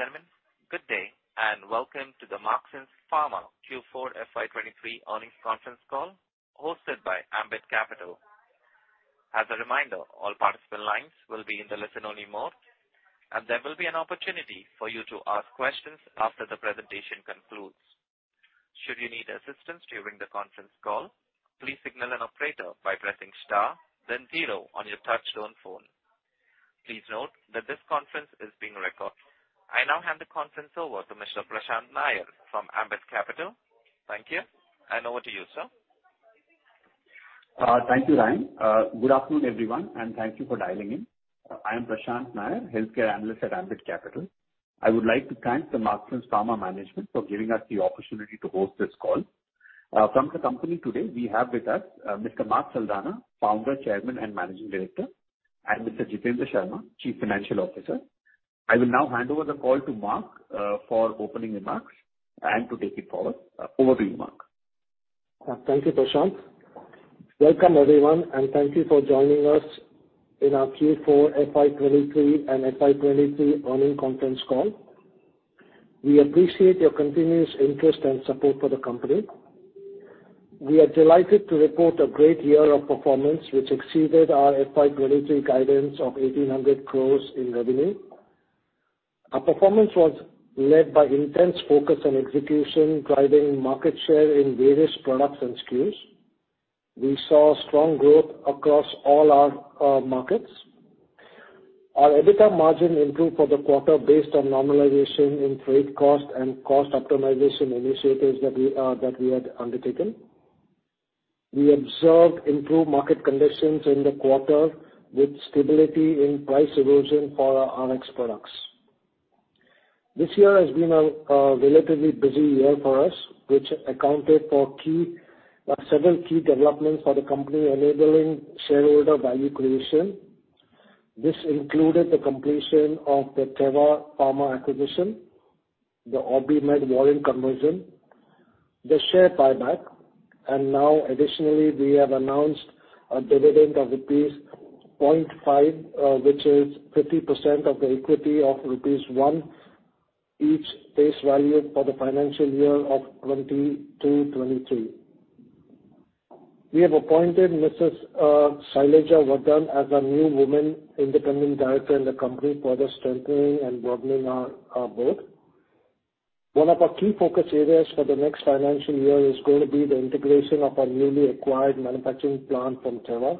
Ladies and gentlemen, good day, and welcome to the Marksans Pharma Q4 FY 2023 earnings conference call, hosted by Ambit Capital. As a reminder, all participant lines will be in the listen-only mode, and there will be an opportunity for you to ask questions after the presentation concludes. Should you need assistance during the conference call, please signal an operator by pressing star zero on your touchtone phone. Please note that this conference is being recorded. I now hand the conference over to Mr. Prashant Nair from Ambit Capital. Thank you, and over to you, sir. Thank you, Ryan. Good afternoon, everyone, and thank you for dialing in. I am Prashant Nair, Healthcare Analyst at Ambit Capital. I would like to thank the Marksans Pharma management for giving us the opportunity to host this call. From the company today, we have with us Mr. Mark Saldanha, Founder, Chairman, and Managing Director, and Mr. Jitendra Sharma, Chief Financial Officer. I will now hand over the call to Mark for opening remarks and to take it forward. Over to you, Mark. Thank you, Prashant. Welcome, everyone, and thank you for joining us in our Q4 FY 2023 and FY 2023 earnings conference call. We appreciate your continuous interest and support for the company. We are delighted to report a great year of performance, which exceeded our FY 2023 guidance of 1,800 crores in revenue. Our performance was led by intense focus on execution, driving market share in various products and SKUs. We saw strong growth across all our markets. Our EBITDA margin improved for the quarter based on normalization in freight cost and cost optimization initiatives that we had undertaken. We observed improved market conditions in the quarter, with stability in price erosion for our Rx products. This year has been a relatively busy year for us, which accounted for several key developments for the company, enabling shareholder value creation. This included the completion of the Teva Pharma acquisition, the OrbiMed warrant conversion, the share buyback. Now additionally, we have announced a dividend of rupees 0.5, which is 50% of the equity of rupees 1, each face value for the financial year of 2022-2023. We have appointed Mrs. Shailaja Vardhan as our new woman independent director in the company, further strengthening and broadening our board. One of our key focus areas for the next financial year is going to be the integration of our newly acquired manufacturing plant from Teva,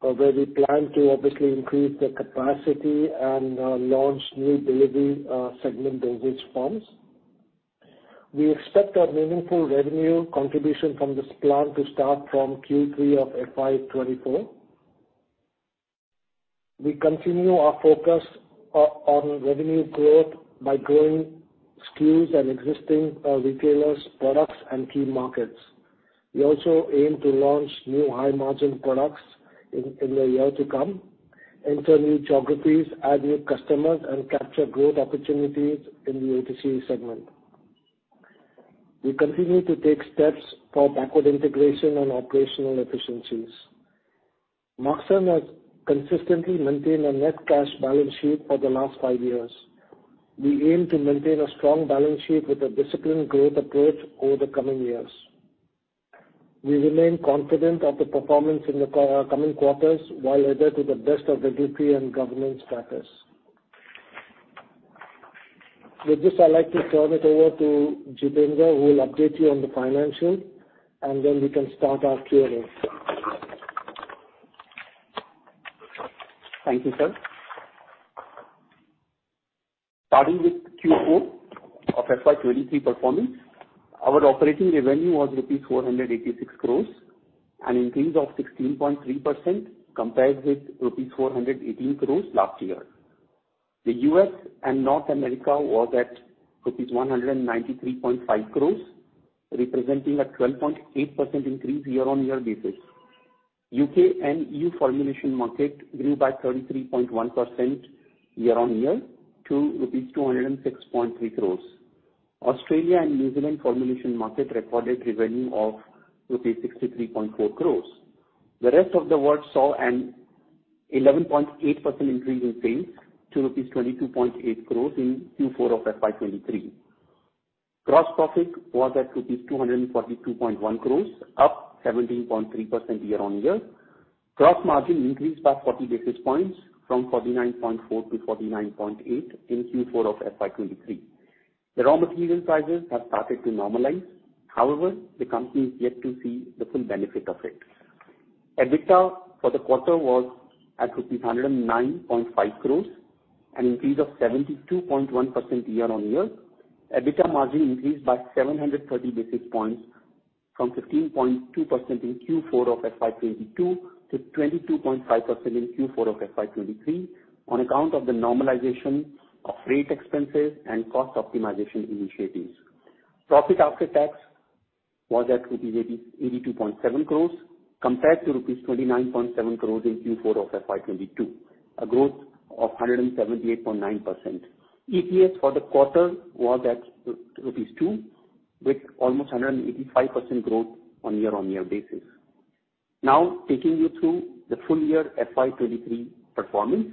where we plan to obviously increase the capacity and launch new delivery segment dosage forms. We expect a meaningful revenue contribution from this plant to start from Q3 of FY 2024. We continue our focus on revenue growth by growing SKUs and existing retailers, products, and key markets. We also aim to launch new high-margin products in the year to come, enter new geographies, add new customers, capture growth opportunities in the OTC segment. We continue to take steps for backward integration on operational efficiencies. Marksans has consistently maintained a net cash balance sheet for the last five years. We aim to maintain a strong balance sheet with a disciplined growth approach over the coming years. We remain confident of the performance in the coming quarters, while adhere to the best of the equity and governance practice. With this, I'd like to turn it over to Jitendra, who will update you on the financial, then we can start our Q&A. Thank you, sir. Starting with Q4 of FY 2023 performance, our operating revenue was rupees 486 crores and increase of 16.3%, compared with rupees 418 crores last year. The U.S. and North America was at rupees 193.5 crores, representing a 12.8% increase year-on-year basis. U.K. and E.U. formulation market grew by 33.1% year-on-year to rupees 206.3 crores. Australia and New Zealand formulation market recorded revenue of rupees 63.4 crores. The rest of the world saw an 11.8% increase in sales to rupees 22.8 crores in Q4 of FY 2023. Gross profit was at rupees 242.1 crores, up 17.3% year-on-year. Gross margin increased by 40 basis points from 49.4 to 49.8 in Q4 of FY 2023. The raw material prices have started to normalize. However, the company is yet to see the full benefit of it. EBITDA for the quarter was at rupees 109.5 crores, an increase of 72.1% year-on-year. EBITDA margin increased by 730 basis points, from 15.2% in Q4 of FY 2022 to 22.5% in Q4 of FY 2023, on account of the normalization of freight expenses and cost optimization initiatives. Profit after tax was at rupees 82.7 crores, compared to rupees 29.7 crores in Q4 of FY 2022, a growth of 178.9%. EPS for the quarter was at rupees 2, with almost 185% growth on a year-on-year basis. Taking you through the full year FY 2023 performance.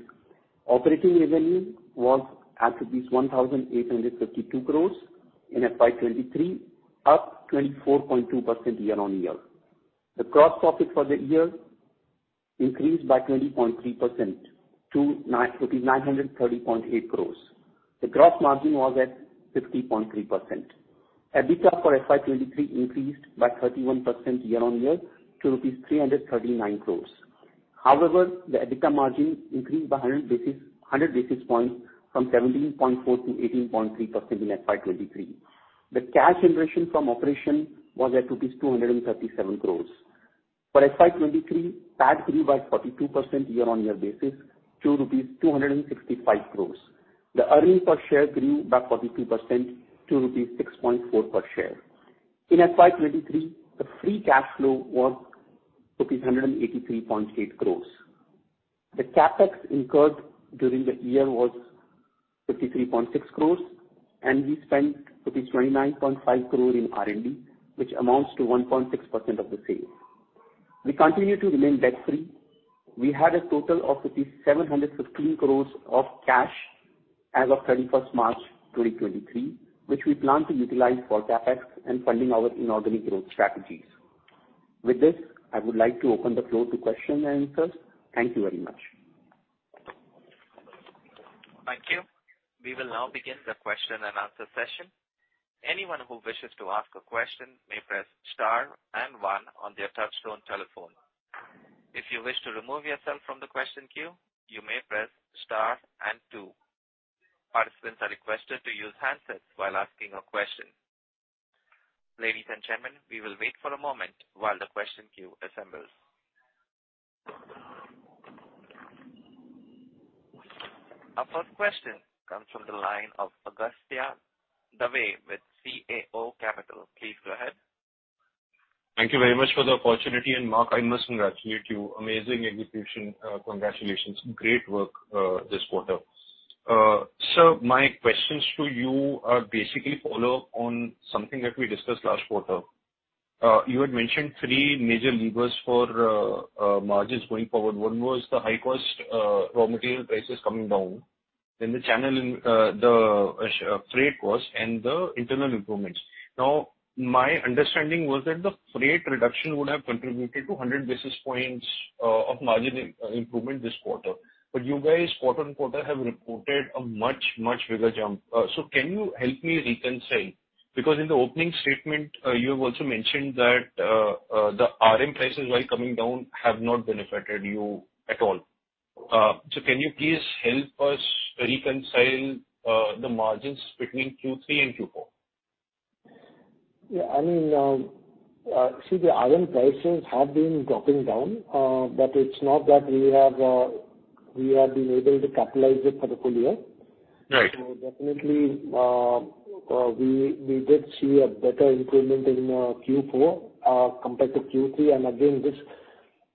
Operating revenue was at 1,852 crores in FY 2023, up 24.2% year-on-year. The gross profit for the year increased by 20.3% to 930.8 crores. The gross margin was at 50.3%. EBITDA for FY 2023 increased by 31% year-on-year to rupees 339 crores. The EBITDA margin increased by 100 basis points from 17.4%-18.3% in FY23. The cash generation from operation was at rupees 237 crores. For FY 2023, PAT grew by 42% year-on-year basis to rupees 265 crores. The earnings per share grew by 42% to rupees 6.4 per share. In FY 2023, the free cash flow was rupees 183.8 crore. The CapEx incurred during the year was 53.6 crore, and we spent rupees 29.5 crore in R&D, which amounts to 1.6% of the sales. We continue to remain debt-free. We had a total of rupees 715 crore of cash as of 31st March, 2023, which we plan to utilize for CapEx and funding our inorganic growth strategies. With this, I would like to open the floor to question and answers. Thank you very much. Thank you. We will now begin the question and answer session. Anyone who wishes to ask a question may press star one on their touchtone telephone. If you wish to remove yourself from the question queue, you may press star two. Participants are requested to use handsets while asking a question. Ladies and gentlemen, we will wait for a moment while the question queue assembles. Our first question comes from the line of Agastya Dave with CAO Capital. Please go ahead. Thank you very much for the opportunity. Mark, I must congratulate you. Amazing execution. Congratulations. Great work this quarter. My questions to you are basically follow up on something that we discussed last quarter. You had mentioned three major levers for margins going forward. One was the high cost raw material prices coming down, then the channel and the freight cost and the internal improvements. Now, my understanding was that the freight reduction would have contributed to 100 basis points of margin improvement this quarter. You guys, quarter-on-quarter, have reported a much, much bigger jump. Can you help me reconcile? In the opening statement, you have also mentioned that the RM prices, while coming down, have not benefited you at all. Can you please help us reconcile the margins between Q3 and Q4? I mean, see, the RM prices have been dropping down, but it's not that we have, we have been able to capitalize it for the full year. Right. Definitely, we did see a better improvement in Q4 compared to Q3. Again,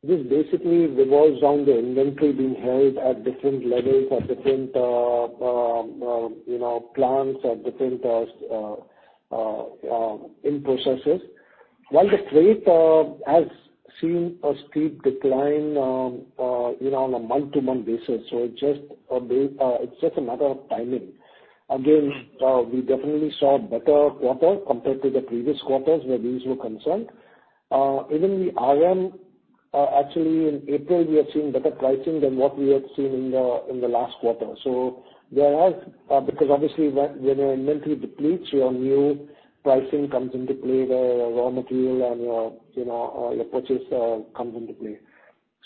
this basically revolves around the inventory being held at different levels, at different, you know, plants, at different in-processes. The freight has seen a steep decline, you know, on a month-to-month basis, so it's just a bit, it's just a matter of timing. Again, we definitely saw a better quarter compared to the previous quarters, where these were concerned. Even the RM actually in April, we are seeing better pricing than what we had seen in the, in the last quarter. There are. Because obviously, when your inventory depletes, your new pricing comes into play, the raw material and your, you know, your purchase comes into play.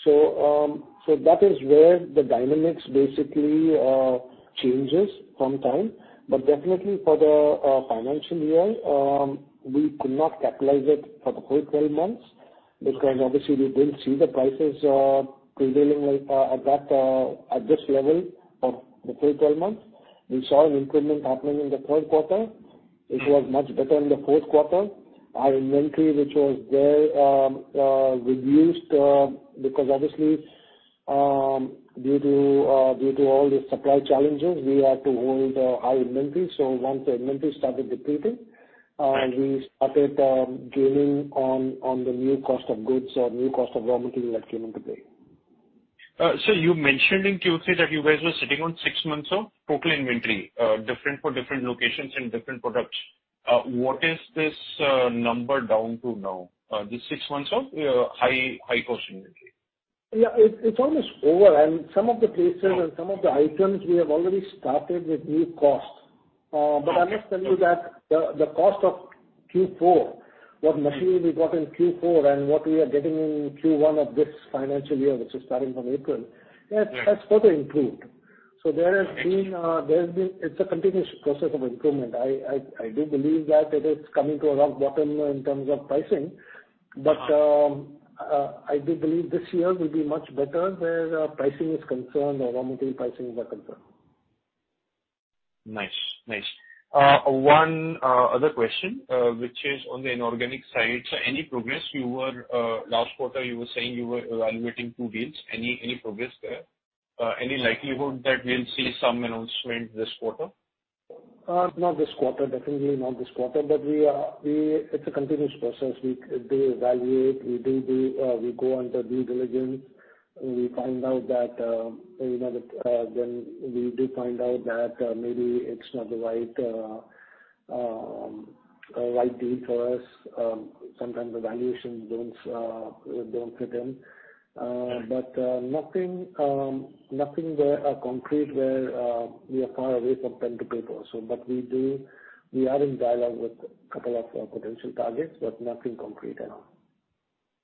That is where the dynamics basically changes from time. Definitely for the financial year, we could not capitalize it for the full 12 months, because obviously we didn't see the prices prevailing at that at this level for the full 12 months. We saw an improvement happening in the third quarter. It was much better in the fourth quarter. Our inventory, which was there, reduced because obviously due to all the supply challenges, we had to hold a high inventory. Once the inventory started depleting, we started gaining on the new cost of goods or new cost of raw material that came into play. You mentioned in Q3 that you guys were sitting on six months of total inventory, different for different locations and different products. What is this number down to now? The six months of high-cost inventory. Yeah, it's almost over. Some of the places and some of the items we have already started with new cost. I must tell you that the cost of Q4, what machinery we got in Q4 and what we are getting in Q1 of this financial year, which is starting from April. Yeah. That's further improved. There has been. It's a continuous process of improvement. I do believe that it is coming to a rock bottom in terms of pricing. Uh- I do believe this year will be much better where pricing is concerned or raw material pricing is a concern. Nice. Nice. One other question, which is on the inorganic side. Any progress? You were last quarter, you were saying you were evaluating two deals. Any progress there? Any likelihood that we'll see some announcement this quarter? Not this quarter, definitely not this quarter. We are, it's a continuous process. We evaluate, we do the, we go under due diligence, we find out that, you know, that, then we do find out that, maybe it's not the right deal for us. Sometimes the valuations don't fit in. Nothing, nothing where, concrete, where, we are far away from pen to paper. We do, we are in dialogue with a couple of potential targets, but nothing concrete at all.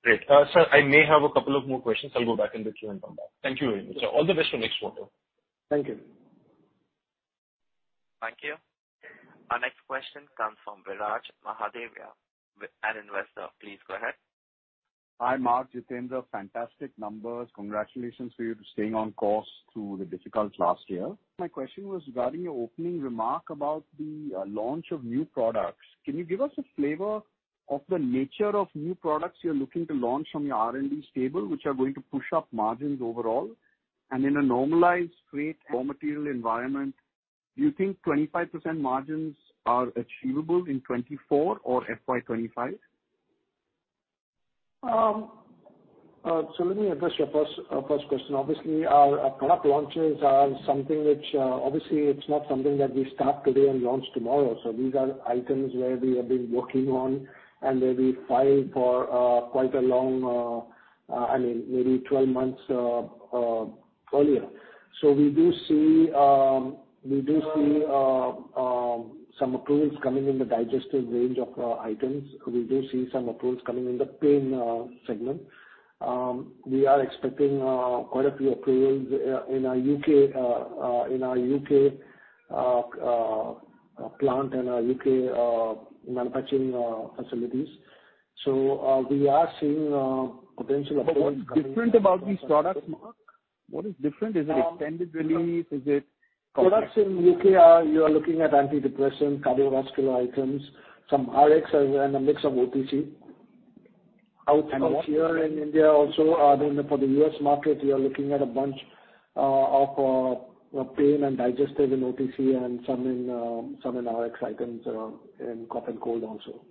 Great. sir, I may have a couple of more questions. I'll go back into queue and come back. Thank you very much, sir. All the best for next quarter. Thank you. Thank you. Our next question comes from Viraj Mahadevia with An Investor. Please go ahead. Hi, Mark, Jitendra. Fantastic numbers. Congratulations for you staying on course through the difficult last year. My question was regarding your opening remark about the launch of new products. Can you give us a flavor of the nature of new products you're looking to launch from your R&D stable, which are going to push up margins overall? In a normalized freight, raw material environment, do you think 25% margins are achievable in 2024 or FY 2025? Let me address your first question. Obviously, our product launches are something which obviously it's not something that we start today and launch tomorrow. These are items where we have been working on, and where we file for, I mean, maybe 12 months earlier. We do see some approvals coming in the digestive range of items. We do see some approvals coming in the pain segment. We are expecting quite a few approvals in our U.K. in our U.K. plant and our U.K. manufacturing facilities. We are seeing potential approvals- what is different about these products, Mark? What is different? Is it extended release? Is it- Products in U.K., you are looking at antidepressant, cardiovascular items, some Rx and a mix of OTC. Out- Here in India also, then for the U.S. market, we are looking at a bunch of pain and digestive in OTC and some in Rx items in cough and cold also.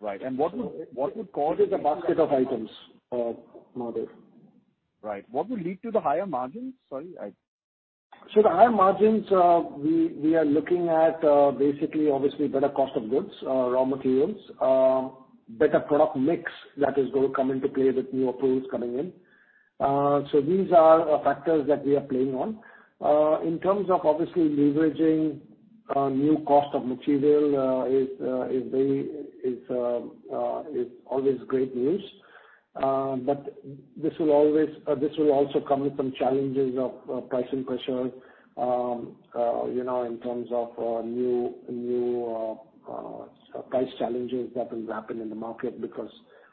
Right. What would cause- It's a basket of items, Viraj. Right. What would lead to the higher margins? Sorry, I. The higher margins, we are looking at, basically, obviously, better cost of goods, raw materials, better product mix that is going to come into play with new approvals coming in. These are factors that we are playing on. In terms of obviously leveraging, new cost of material, is always great news. This will always, this will also come with some challenges of pricing pressure, you know, in terms of new price challenges that will happen in the market, because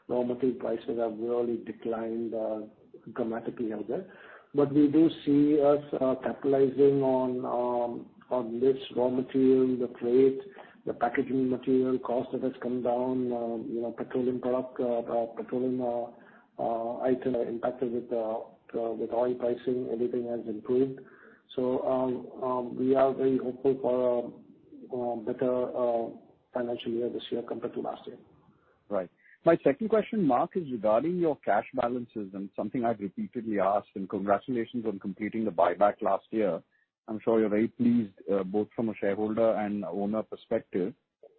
raw material prices have really declined dramatically out there. We do see us capitalizing on this raw material, the freight, the packaging material cost that has come down, you know, petroleum item are impacted with oil pricing. Everything has improved. We are very hopeful for a better financial year this year compared to last year. Right. My second question, Mark, is regarding your cash balances and something I've repeatedly asked. Congratulations on completing the buyback last year. I'm sure you're very pleased, both from a shareholder and owner perspective,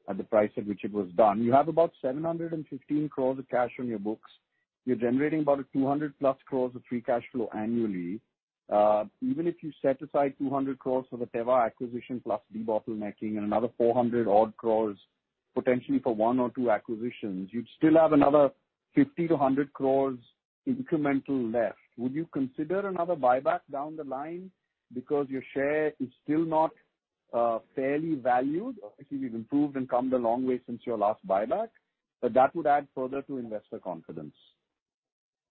at the price at which it was done. You have about 715 crores of cash on your books. You're generating about 200+ crores of free cash flow annually. Even if you set aside 200 crores for the Teva acquisition, plus debottlenecking and another 400 odd crores, potentially for one or two acquisitions, you'd still have another 50-100 crores incremental left. Would you consider another buyback down the line? Your share is still not fairly valued. Obviously, you've improved and come a long way since your last buyback. That would add further to investor confidence.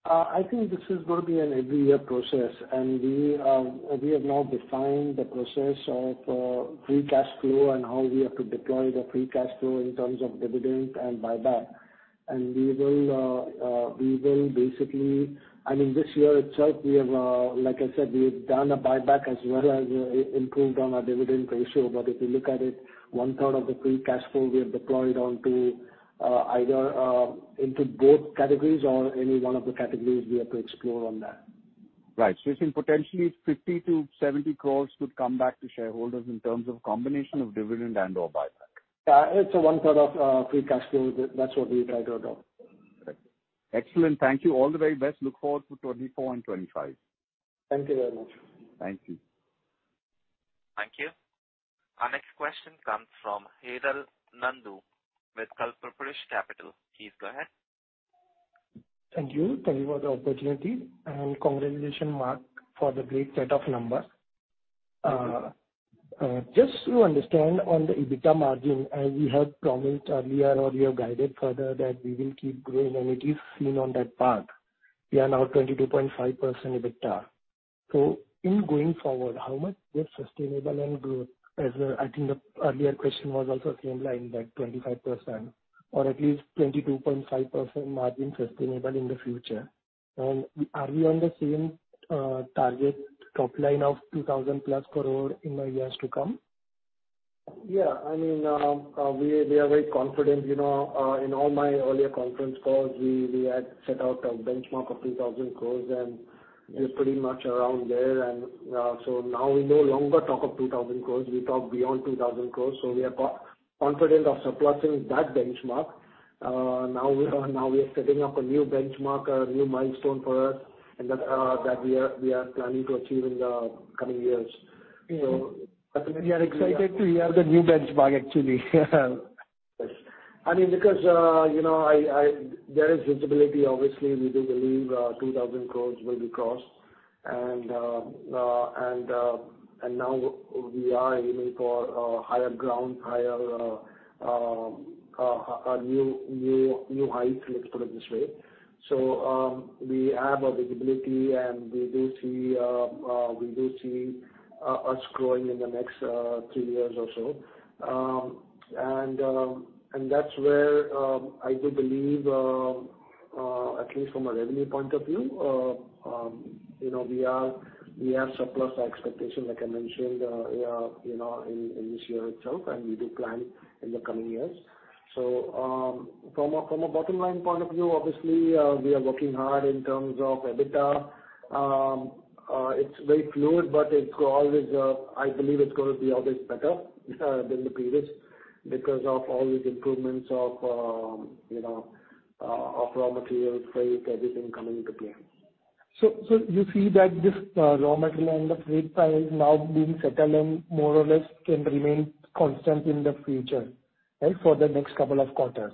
I think this is going to be an every year process, and we have now defined the process of free cash flow and how we have to deploy the free cash flow in terms of dividend and buyback. We will basically, I mean, this year itself, we have, like I said, we have done a buyback as well as improved on our dividend ratio. If you look at it, one third of the free cash flow we have deployed onto either into both categories or any one of the categories we have to explore on that. Right. You think potentially 50-70 crores could come back to shareholders in terms of combination of dividend and/or buyback? Yeah, it's a one third of free cash flow. That's what we try to adopt. Excellent. Thank you. All the very best. Look forward to 2024 and 2025. Thank you very much. Thank you. Thank you. Our next question comes from Hiral Nandu with Kalpvruksh Capital. Please go ahead. Thank you. Thank you for the opportunity. Congratulations, Mark, for the great set of numbers. Just to understand on the EBITDA margin, as we had promised earlier, or you have guided further, that we will keep growing, and it is seen on that path. We are now 22.5% EBITDA. In going forward, how much is sustainable and growth, as, I think the earlier question was also same line, that 25% or at least 22.5% margin sustainable in the future? Are we on the same target top line of 2,000+ crore in the years to come? Yeah. I mean, we are very confident. You know, in all my earlier conference calls, we had set out a benchmark of 2,000 crores, and we're pretty much around there. Now we no longer talk of 2,000 crores, we talk beyond 2,000 crores, so we are confident of surpassing that benchmark. Now we are setting up a new benchmark, a new milestone for us, and that we are planning to achieve in the coming years. We are excited to hear the new benchmark, actually. I mean, because, you know, there is visibility. Obviously, we do believe 2,000 crores will be crossed. Now we are aiming for higher ground, higher new heights, let's put it this way. We have a visibility, and we do see us growing in the next three years or so. That's where I do believe, at least from a revenue point of view, you know, we have surpassed our expectations, like I mentioned, you know, in this year itself, and we do plan in the coming years. From a bottom line point of view, obviously, we are working hard in terms of EBITDA. It's very fluid, but it always, I believe it's going to be always better, than the previous because of all these improvements of, you know, of raw materials, freight, everything coming into play. You see that this raw material and the freight price now being settled and more or less can remain constant in the future, right? For the next couple of quarters,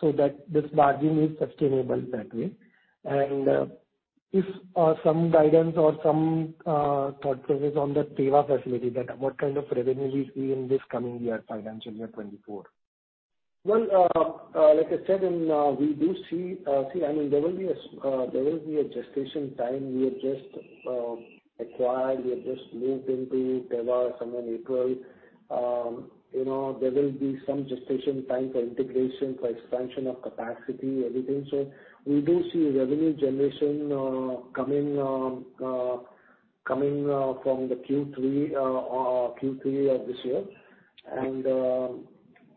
so that this margin is sustainable that way. If some guidance or some thought process on the Teva facility, that what kind of revenue we see in this coming year, financial year 2024. Well, like I said, in, we do see, I mean, there will be a gestation time. We have just acquired, we have just moved into Teva somewhere in April. You know, there will be some gestation time for integration, for expansion of capacity, everything. We do see revenue generation coming from the Q3 of this year.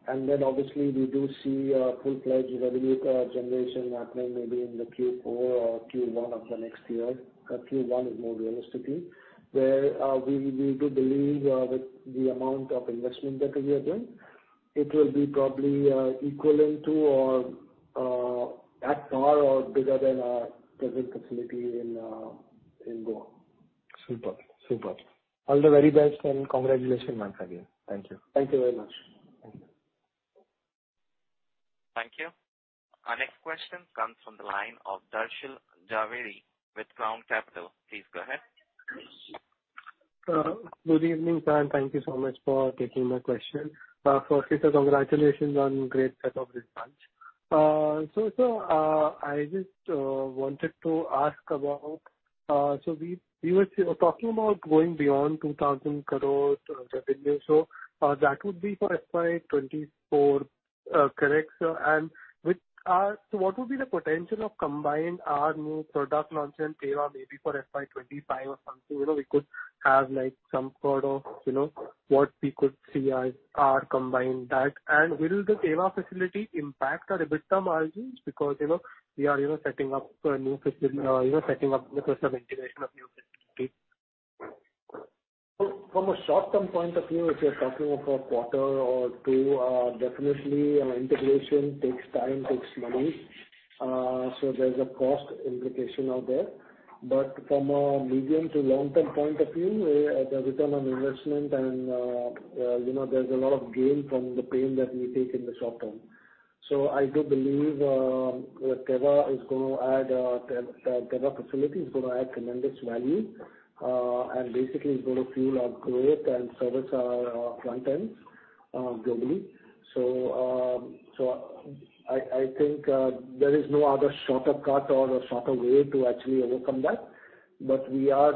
Then obviously, we do see a full-fledged revenue generation happening maybe in the Q4 or Q1 of the next year, Q1 is more realistically. Where, we do believe that the amount of investment that we have done, it will be probably equivalent to or at par or bigger than our present facility in Goa. Super. Super. All the very best, and congratulations once again. Thank you. Thank you very much. Thank you. Thank you. Our next question comes from the line of Darshil Jhaveri with Crown Capital. Please go ahead. Good evening, sir, thank you so much for taking my question. Firstly, sir, congratulations on great set of results. Sir, I just wanted to ask about, we were talking about going beyond 2,000 crore revenue. That would be for FY 2024, correct, sir? With what would be the potential of combining our new product launch and Teva maybe for FY 2025 or something? You know, we could have, like, some sort of, you know, what we could see as our combined that. Will the Teva facility impact our EBITDA margins? Because, you know, we are, you know, setting up a new facility, you know, setting up the process of integration of new facility. From a short-term point of view, if you're talking of a quarter or two, definitely integration takes time, takes money, so there's a cost implication out there. From a medium to long-term point of view, the return on investment and, you know, there's a lot of gain from the pain that we take in the short term. I do believe the Teva facility is going to add tremendous value and basically is going to fuel our growth and service our front ends globally. I think there is no other shorter cut or a shorter way to actually overcome that. We are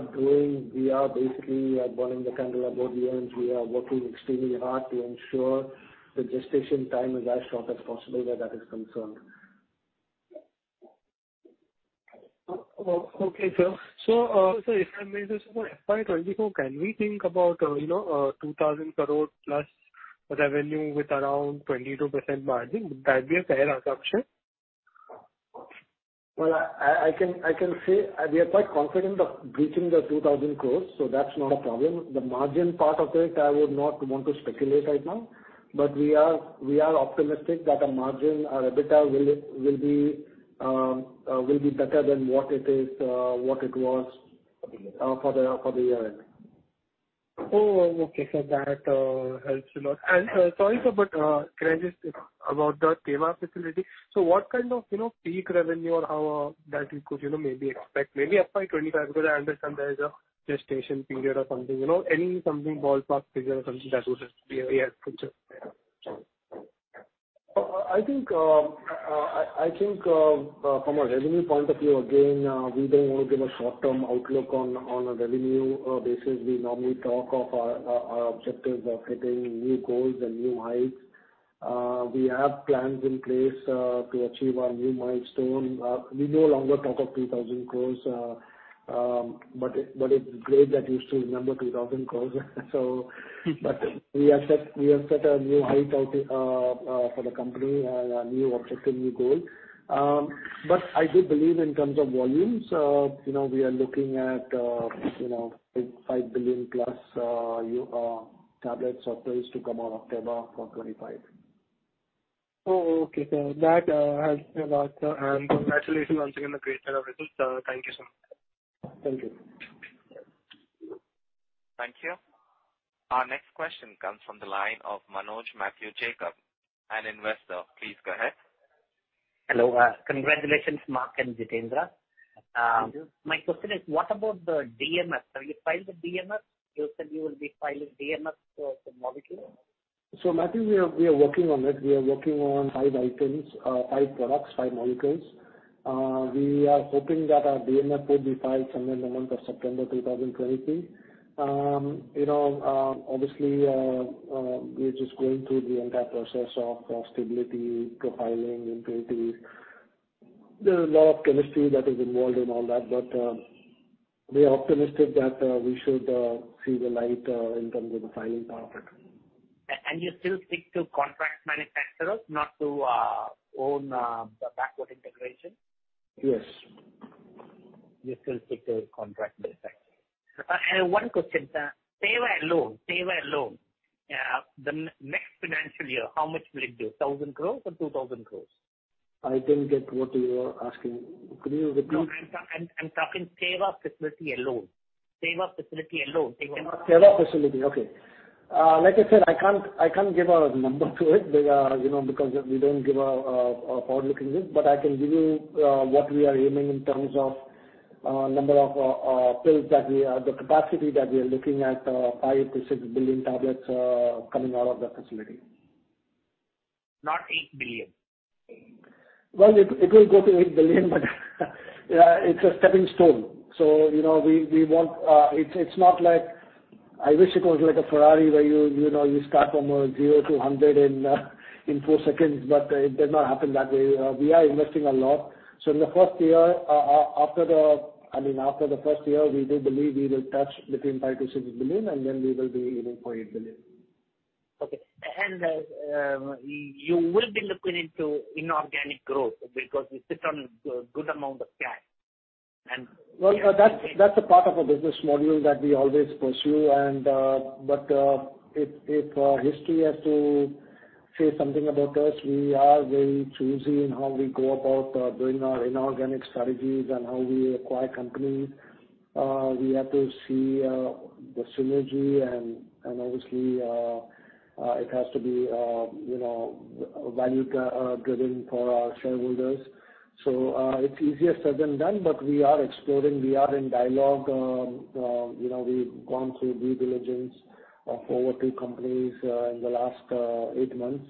basically burning the candle at both ends. We are working extremely hard to ensure the gestation time is as short as possible, where that is concerned. Okay, sir. Sir, if I may just for FY 2024, can we think about, you know, 2,000 crore plus revenue with around 22% margin? Would that be a fair assumption? I can say, we are quite confident of breaching the 2,000 crore. That's not a problem. The margin part of it, I would not want to speculate right now. We are optimistic that the margin, our EBITDA will be better than what it is, what it was for the year ending. Oh, okay, sir. That helps a lot. Sorry, sir, but, can I just about the Teva facility? What kind of, you know, peak revenue or how that we could, you know, maybe expect, maybe FY 25, because I understand there is a gestation period or something, you know, any something ballpark figure or something that would just be ahead, future? I think, from a revenue point of view, again, we don't want to give a short-term outlook on a revenue basis. We normally talk of our objectives of setting new goals and new heights. We have plans in place to achieve our new milestone. We no longer talk of 3,000 crores, but it's great that you still remember 3,000 crores. But we have set a new high target for the company, a new objective, new goal. But I do believe in terms of volumes, we are looking at 5 billion plus tablets or pills to come out of Teva for 2025. Oh, okay. That helps a lot. Congratulations once again, the great set of results. Thank you, sir. Thank you. Thank you. Our next question comes from the line of Manoj Matthew Jacob, an investor. Please go ahead. Hello. Congratulations, Mark and Jitendra. Thank you. My question is, what about the DMF? Have you filed the DMF? You said you will be filing DMF for the molecule. Matthew, we are working on it. We are working on five items, five products, five molecules. We are hoping that our DMF will be filed sometime in the month of September 2023. You know, obviously, we're just going through the entire process of stability, profiling, impurities. There's a lot of chemistry that is involved in all that, we are optimistic that we should see the light in terms of the filing part. You still stick to contract manufacturers, not to own the backward integration? Yes. We still stick to contract manufacturing. One question, sir. Teva alone, the next financial year, how much will it be? 1,000 crores or 2,000 crores? I didn't get what you are asking. Could you repeat? No, I'm talking Teva facility alone. Teva facility alone. Teva. Teva facility, okay. Like I said, I can't give a number to it, you know, because we don't give a forward-looking view. I can give you what we are aiming in terms of the capacity that we are looking at, 5-6 billion tablets coming out of that facility. Not $8 billion? Well, it will go to 8 billion, but it's a stepping stone. You know, we want... It's not like, I wish it was like a Ferrari, where you know, you start from zero to 100 in four seconds, but it did not happen that way. We are investing a lot. In the first year, after the, I mean, after the first year, we do believe we will touch between 5 billion-6 billion, and then we will be aiming for 8 billion. Okay. You will be looking into inorganic growth because you sit on a good amount of cash. Well, that's a part of our business model that we always pursue, but if history has to say something about us, we are very choosy in how we go about doing our inorganic strategies and how we acquire companies. We have to see the synergy and obviously, it has to be, you know, value driven for our shareholders. It's easier said than done, but we are exploring, we are in dialogue. You know, we've gone through due diligence of over two companies in the last 8 months.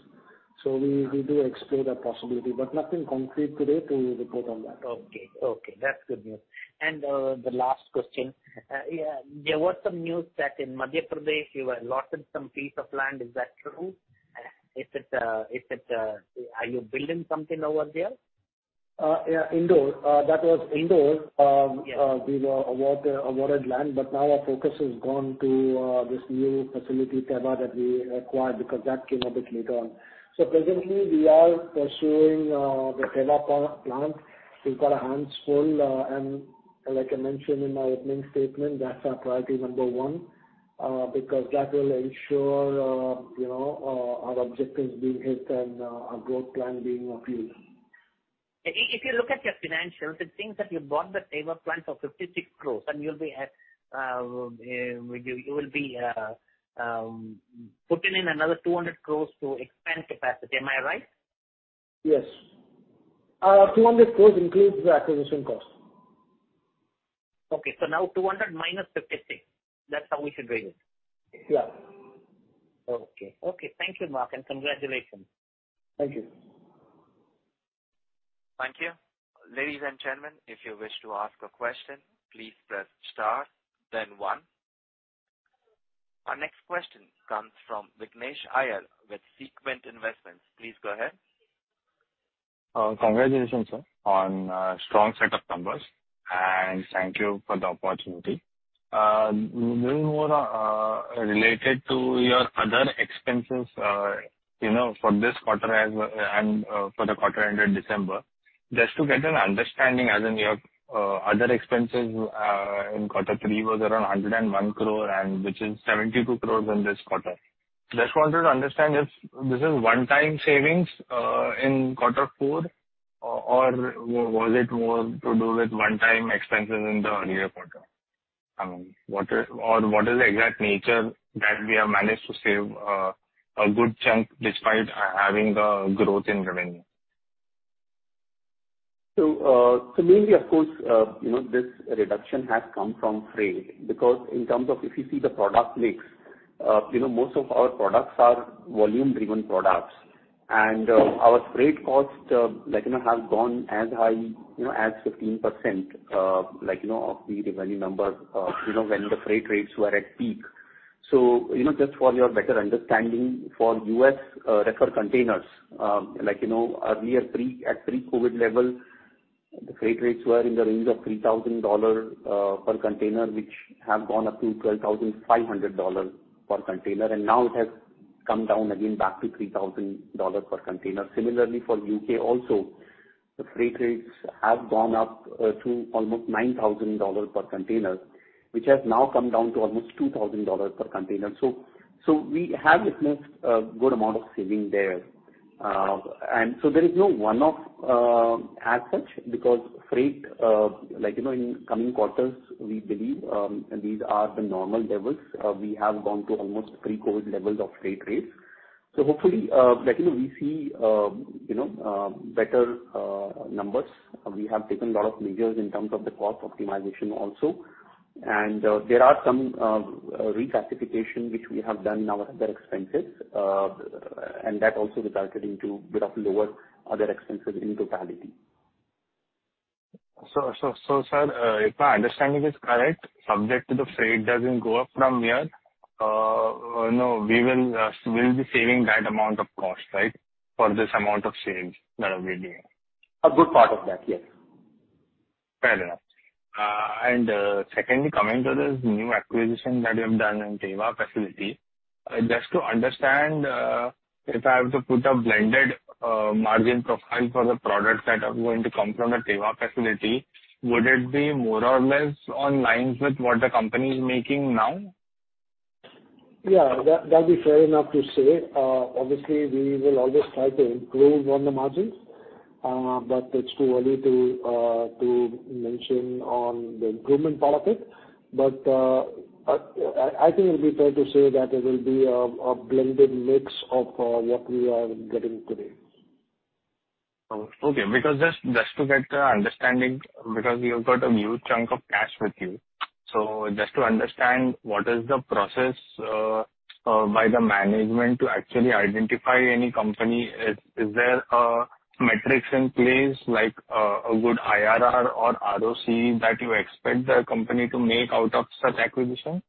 We do explore that possibility, but nothing concrete today to report on that. Okay. Okay, that's good news. The last question. Yeah, there was some news that in Madhya Pradesh, you have allotted some piece of land. Is that true? Are you building something over there? Yeah, Indore. That was Indore. Yes. We were awarded land, but now our focus has gone to this new facility, Teva, that we acquired, because that came a bit later on. Presently, we are pursuing the Teva plant. We've got our hands full, and like I mentioned in my opening statement, that's our priority number one, because that will ensure, you know, our objectives being hit and our growth plan being appealed. If you look at your financials, it seems that you bought the Teva plant for 56 crores, and you will be putting in another 200 crores to expand capacity. Am I right? Yes. 200 crores includes the acquisition cost. Okay. Now 200-56. That's how we should read it? Yeah. Okay, thank you, Mark, and congratulations. Thank you. Thank you. Ladies and gentlemen, if you wish to ask a question, please press star then one. Our next question comes from Vignesh Iyer with Sequent Investments. Please go ahead. Congratulations, sir, on strong set of numbers, and thank you for the opportunity. Little more, related to your other expenses, you know, for this quarter and for the quarter ended December. Just to get an understanding, as in your other expenses, in quarter three was around 101 crore, and which is 72 crores in this quarter. Just wanted to understand if this is one-time savings, in quarter four, or was it more to do with one-time expenses in the earlier quarter? What is, or what is the exact nature that we have managed to save, a good chunk despite having the growth in revenue? mainly, of course, you know, this reduction has come from freight, because in terms of if you see the product mix, you know, most of our products are volume-driven products. Our freight cost, like, you know, has gone as high, you know, as 15%, like, you know, of the revenue number, you know, when the freight rates were at peak. You know, just for your better understanding, for U.S., reefer containers, like, you know, at pre-COVID level, the freight rates were in the range of $3,000 per container, which have gone up to $12,500 per container, and now it has come down again back to $3,000 per container. Similarly, for U.K. also, the freight rates have gone up to almost $9,000 per container, which has now come down to almost $2,000 per container. So we have, it's most, good amount of saving there. There is no one-off as such, because freight, like, you know, in coming quarters, we believe, these are the normal levels. We have gone to almost pre-COVID levels of freight rates. Hopefully, like, you know, we see, you know, better numbers. We have taken a lot of measures in terms of the cost optimization also. There are some reclassification, which we have done in our other expenses, and that also resulted into bit of lower other expenses in totality. Sir, if my understanding is correct, subject to the freight doesn't go up from here, no, we will, we'll be saving that amount of cost, right? For this amount of sales that we're doing. A good part of that, yes. Fair enough. Secondly, coming to this new acquisition that you have done in Teva facility, just to understand, if I have to put a blended, margin profile for the products that are going to come from the Teva facility, would it be more or less on lines with what the company is making now? Yeah, that'd be fair enough to say. Obviously, we will always try to improve on the margins, but it's too early to mention on the improvement part of it. I think it'll be fair to say that it will be a blended mix of what we are getting today. Okay, because just to get the understanding, because you've got a huge chunk of cash with you. Just to understand, what is the process by the management to actually identify any company? Is there a metrics in place like a good IRR or ROC that you expect the company to make out of such acquisition?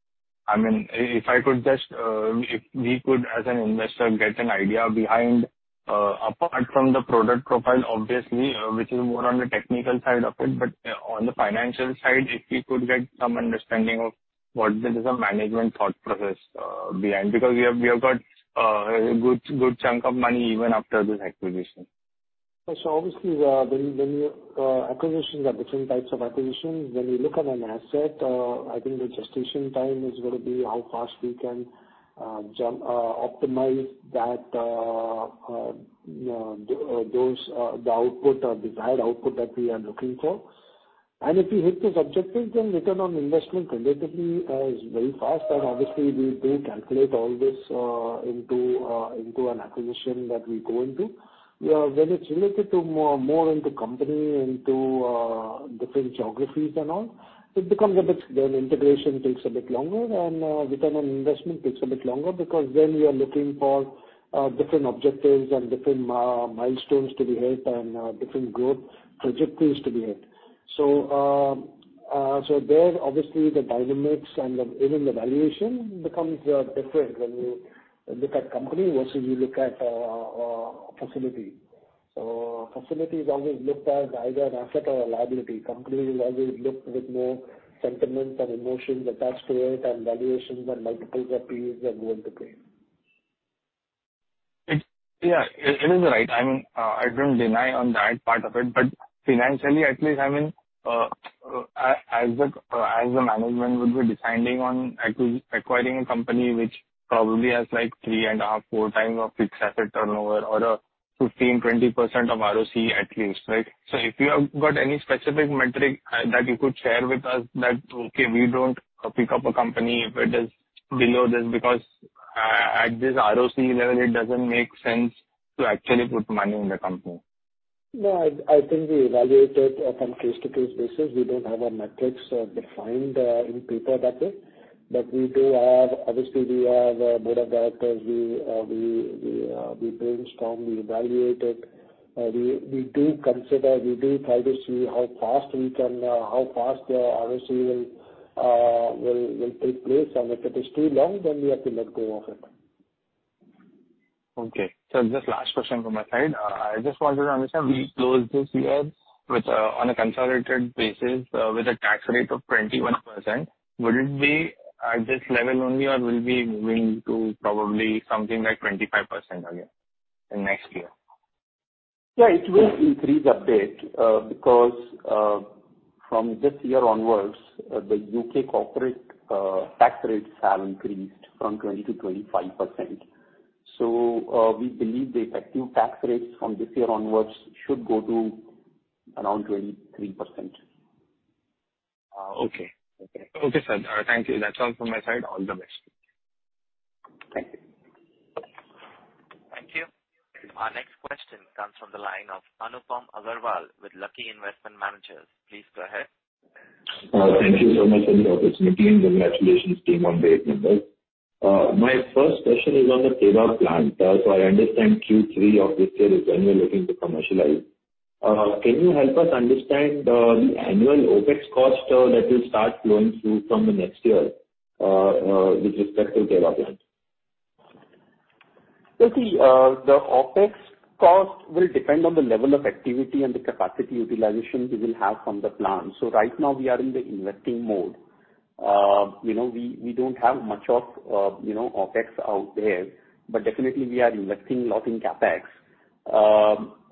I mean, if I could just, if we could, as an investor, get an idea behind, apart from the product profile, obviously, which is more on the technical side of it, but on the financial side, if we could get some understanding of what is the management thought process behind. We have got a good chunk of money even after this acquisition. Obviously, when acquisitions are different types of acquisitions, when you look at an asset, I think the gestation time is going to be how fast we can jump, optimize that, those, the output or desired output that we are looking for. If we hit this objective, then return on investment relatively is very fast. Obviously, we do calculate all this into an acquisition that we go into. When it's related to more into company, into different geographies and all, it becomes a bit. Integration takes a bit longer and return on investment takes a bit longer, because we are looking for different objectives and different milestones to be hit and different growth trajectories to be hit. There, obviously, the dynamics and the, even the valuation becomes different when you look at company versus you look at a facility. Facility is always looked as either an asset or a liability. Company will always look with more sentiments and emotions attached to it, and valuations and multiples of PEs are going to play. Yeah, it is right. I mean, I don't deny on that part of it, financially, at least, I mean, as the management would be deciding on acquiring a company which probably has like 3.5, 4x of fixed asset turnover or a 15%, 20% of ROC at least, right? If you have got any specific metric that you could share with us, that, okay, we don't pick up a company if it is below this, because at this ROC level, it doesn't make sense to actually put money in the company. No, I think we evaluate it on case-to-case basis. We don't have a metrics defined in paper that way. We do have, obviously, we have a board of directors. We, we brainstorm, we evaluate it. We do consider, we do try to see how fast we can, how fast the ROC will take place. If it is too long, then we have to let go of it. Okay. Just last question from my side. I just wanted to understand, we closed this year with on a consolidated basis with a tax rate of 21%. Will it be at this level only, or we'll be moving to probably something like 25% again in next year? It will increase a bit because from this year onwards, the U.K. corporate tax rates have increased from 20%-25%. We believe the effective tax rates from this year onwards should go to around 23%. Okay. Okay. Okay, sir. Thank you. That's all from my side. All the best. Thank you. Thank you. Our next question comes from the line of Anupam Agarwal with Lucky Investment Managers. Please go ahead. Thank you so much for the opportunity. Congratulations team on the numbers. My first question is on the Teva plant. I understand Q3 of this year is when you're looking to commercialize. Can you help us understand the annual OpEx cost that will start flowing through from the next year with respect to Teva plant? Well, the OpEx cost will depend on the level of activity and the capacity utilization we will have from the plant. Right now we are in the investing mode. You know, we don't have much of, you know, OpEx out there, but definitely we are investing a lot in CapEx.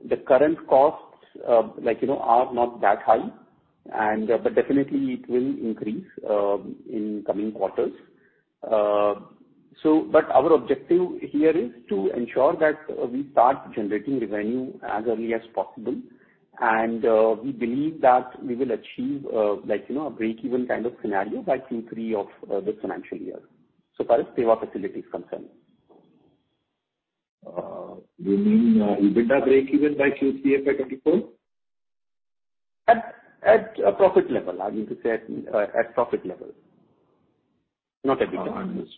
The current costs, like, you know, are not that high, and but definitely it will increase in coming quarters. Our objective here is to ensure that we start generating revenue as early as possible, and we believe that we will achieve, like, you know, a break-even kind of scenario by Q3 of this financial year, so far as Teva facility is concerned. You mean EBITDA break-even by Q3 of 2024? At a profit level. I mean to say, at profit level, not EBITDA. Understood.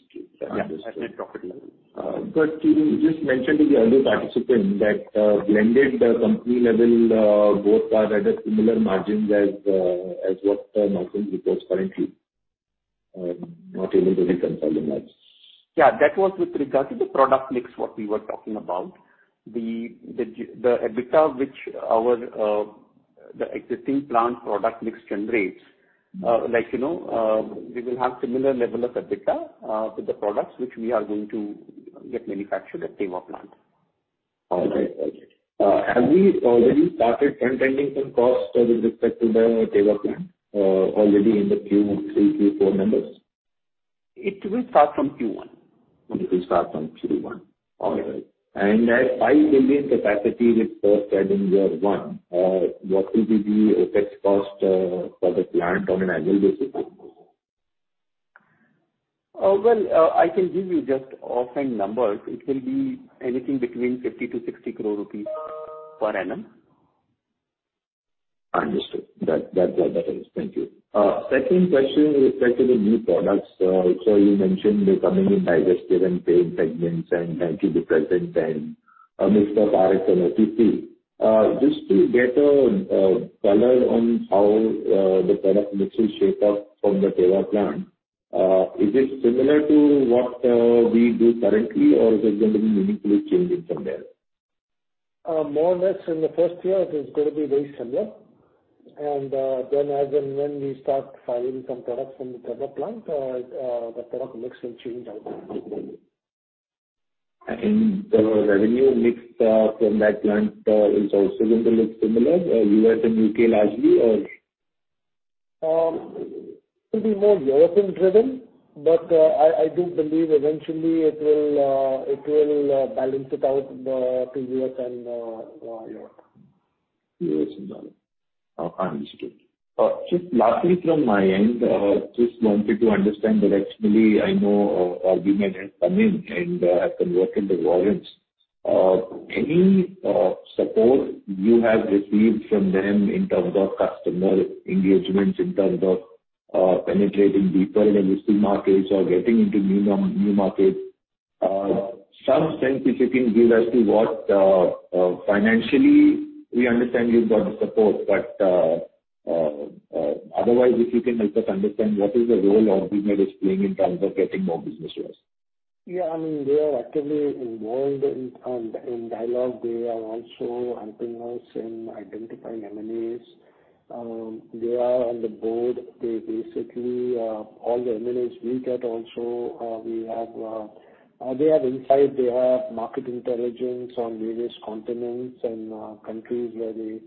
Understood. Yeah, at a profit level. You just mentioned to the earlier participant that, blended company level, both are at a similar margins as what Marksans records currently. Not able to reconcile the math. Yeah, that was with regard to the product mix, what we were talking about. The EBITDA which our the existing plant product mix generates, like, you know, we will have similar level of EBITDA with the products which we are going to get manufactured at Teva plant. All right. Have we already started trending some costs with respect to the Teva plant, already in the Q3, Q4 numbers? It will start from Q1. It will start from Q1. All right. At 5 billion capacity with first adding year 1, what will be the OpEx cost for the plant on an annual basis? Well, I can give you just offhand numbers. It will be anything between 50-INR-60 crore per annum. Understood. That's all. Thank you. Second question with respect to the new products. You mentioned they're coming in digestive and pain segments and antidepressant and a mix of Rx and OTC. Just to get a color on how the product mix will shape up from the Teva plant, is it similar to what we do currently, or is it going to be meaningfully changing from there? More or less in the first year, it is going to be very similar. Then as and when we start filing some products from the Teva plant, the product mix will change out. The revenue mix from that plant is also going to look similar, U.S. and U.K. largely, or? It will be more European-driven, but I do believe eventually it will balance it out to U.S. and Europe. U.S. and Europe. Understood. Just lastly from my end, just wanted to understand that actually I know, Alembic has come in and have converted the warrants. Any support you have received from them in terms of customer engagements, in terms of penetrating deeper in existing markets or getting into new markets? Some sense if you can give as to what financially, we understand you've got the support, but otherwise, if you can help us understand what is the role Alembic is playing in terms of getting more business to us. Yeah, I mean, they are actively involved in dialogue. They are also helping us in identifying M&As. They are on the board. They basically, all the M&As we get also, we have, they have insight, they have market intelligence on various continents and countries where they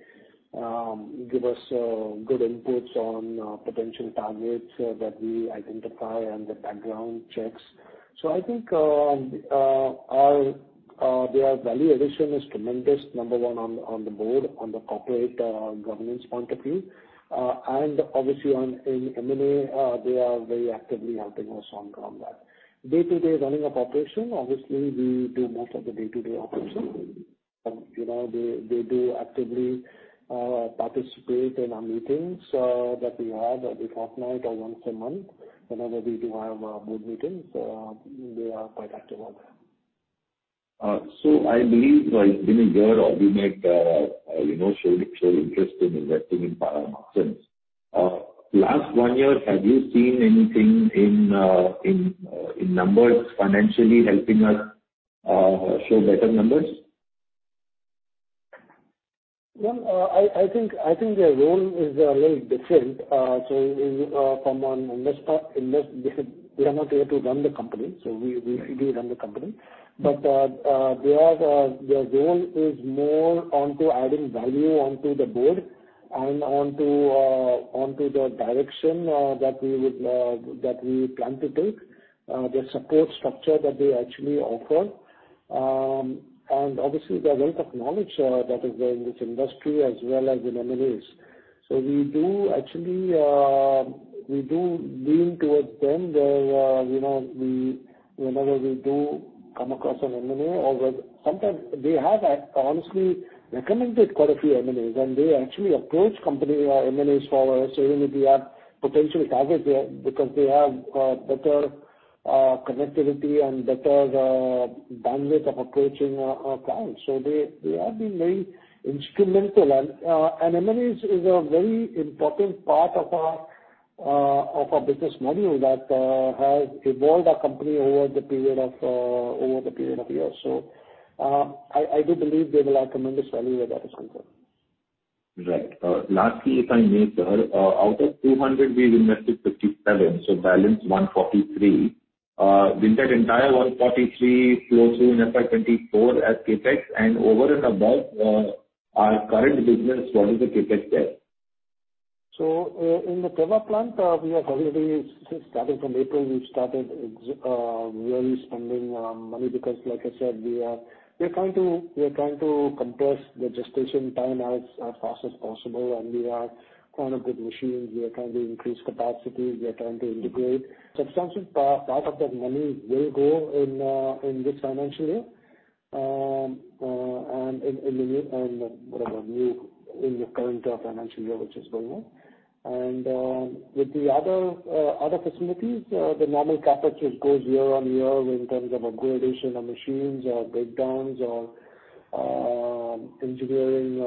give us good inputs on potential targets that we identify and the background checks. I think, our, their value addition is tremendous, number one, on the board, on the corporate governance point of view. Obviously on, in M&A, they are very actively helping us on ground there. Day-to-day running of operation, obviously, we do most of the day-to-day operation. You know, they do actively participate in our meetings that we have every fortnight or once a month. Whenever we do have board meetings, they are quite active on that. I believe, like, being here, Alembic, you know, showed interest in investing in Marksans Pharma. Last one year, have you seen anything in numbers financially helping us, show better numbers? I think their role is a little different. From an investor basis, we are not here to run the company, so we do run the company. Mm-hmm. Their role is more onto adding value onto the board and onto the direction that we would that we plan to take the support structure that they actually offer. Obviously, the wealth of knowledge that is there in this industry as well as in M&As. We do actually we do lean towards them. There, you know, whenever we do come across an M&A or when. Sometimes they have honestly recommended quite a few M&As, and they actually approach company M&As for us, saying if we have potential targets there, because they have better connectivity and better bandwidth of approaching our clients. They have been very instrumental. M&As is a very important part of our business model that has evolved our company over the period of years. I do believe they will add tremendous value where that is concerned. Right. Lastly, if I may, sir, out of 200, we've invested 57, so balance 143. Will that entire 143 flow through in FY 2024 as CapEx and over and above, our current business, what is the CapEx there? In the Teva plant, we have already, since starting from April, we've started really spending money because like I said, we are trying to compress the gestation time as fast as possible, and we are on a good machine. We are trying to increase capacity, we are trying to integrate. Substantial part of that money will go in this financial year, in the current financial year, which is going on. With the other facilities, the normal CapEx just goes year-on-year in terms of upgradation of machines or breakdowns or engineering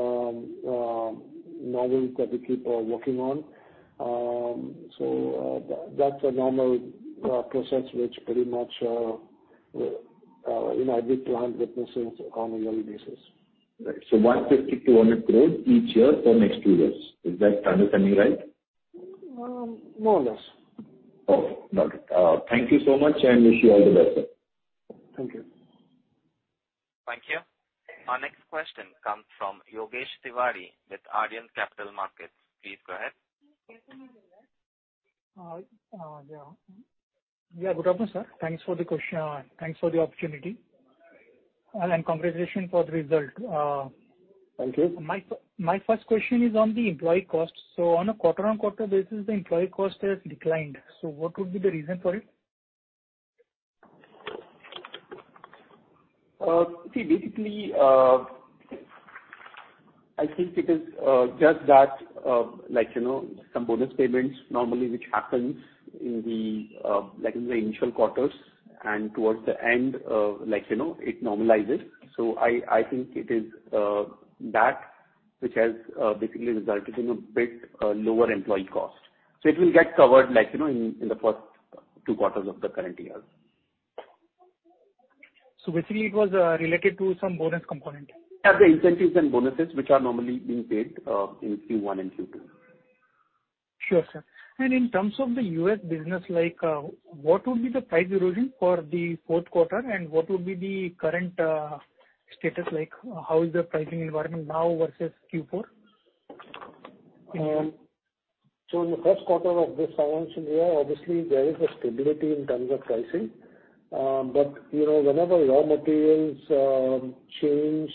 novels that we keep working on. That's a normal process, which pretty much in every plant witnesses on a yearly basis. Right. 150 crore-200 crore each year for next two years. Is that understanding right? More or less. Okay. Got it. Thank you so much, and wish you all the best, sir. Thank you. Thank you. Our next question comes from Yogesh Tiwari with Aryan Capital Markets. Please go ahead. Yeah. Yeah, good afternoon, sir. Thanks for the question. Thanks for the opportunity, and congratulations for the result. Thank you. My first question is on the employee costs. On a quarter-on-quarter basis, the employee cost has declined. What would be the reason for it? think it is just that, like, you know, some bonus payments normally, which happens in the like in the initial quarters and towards the end, like, you know, it normalizes. I think it is that which has basically resulted in a bit lower employee cost. It will get covered, like, you know, in in the first two quarters of the current year Basically, it was related to some bonus component? Yeah, the incentives and bonuses, which are normally being paid, in Q1 and Q2. Sure, sir. In terms of the U.S. business, like, what would be the price erosion for the fourth quarter, and what would be the current status like, how is the pricing environment now versus Q4? In the first quarter of this financial year, obviously there is a stability in terms of pricing. You know, whenever raw materials change,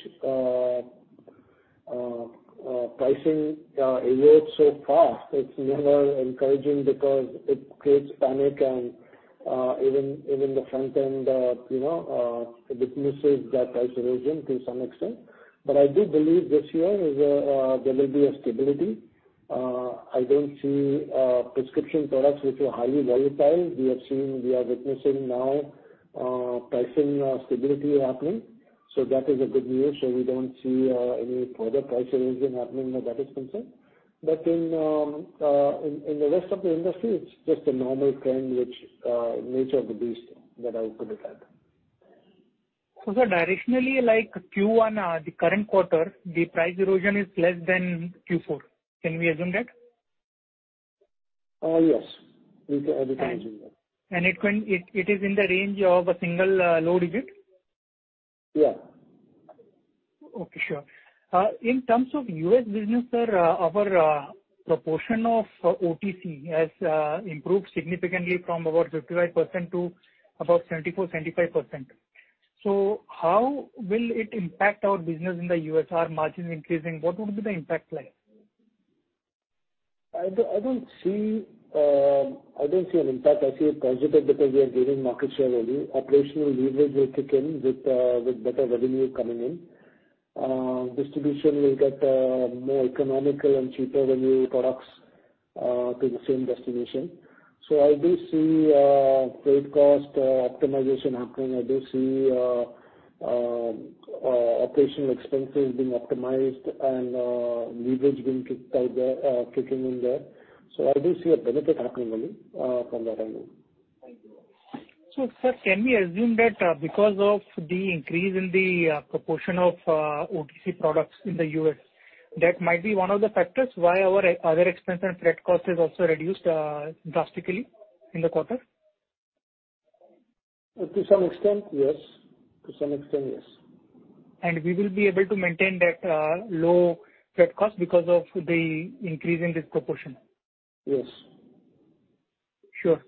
pricing erodes so fast, it's never encouraging because it creates panic and even the front end, you know, witnesses that price erosion to some extent. I do believe this year is there will be a stability. I don't see prescription products which are highly volatile. We are witnessing now pricing stability happening. That is a good news. We don't see any further price erosion happening where that is concerned. In the rest of the industry, it's just a normal trend, which nature of the beast that I would put it at. Sir, directionally, like Q1, the current quarter, the price erosion is less than Q4. Can we assume that? Yes. We can assume that. It is in the range of a single, low digit? Yeah. Okay, sure. In terms of U.S. business, sir, our proportion of OTC has improved significantly from about 55% to about 74%, 75%. How will it impact our business in the U.S., our margins increasing? What would be the impact like? I don't see an impact. I see a positive because we are gaining market share value. Operational leverage will kick in with better revenue coming in. Distribution will get more economical and cheaper revenue products to the same destination. I do see trade cost optimization happening. I do see operational expenses being optimized and leverage being kick start there, kicking in there. I do see a benefit happening only from that angle. Thank you. Sir, can we assume that because of the increase in the proportion of OTC products in the U.S., that might be one of the factors why our other expense and freight cost is also reduced drastically in the quarter? To some extent, yes. To some extent, yes. We will be able to maintain that low freight cost because of the increase in this proportion? Yes. Sure,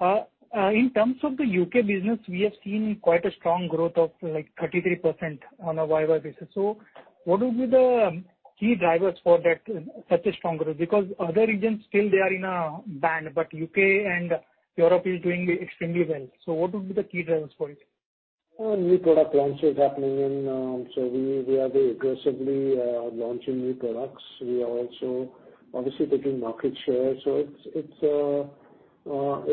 sir. In terms of the U.K. business, we have seen quite a strong growth of like 33% on a YoY basis. What would be the key drivers for that, such a strong growth? Because other regions, still they are in a band, but U.K. and Europe is doing extremely well. What would be the key drivers for it?... new product launches happening in, we are very aggressively launching new products. We are also obviously taking market share. It's as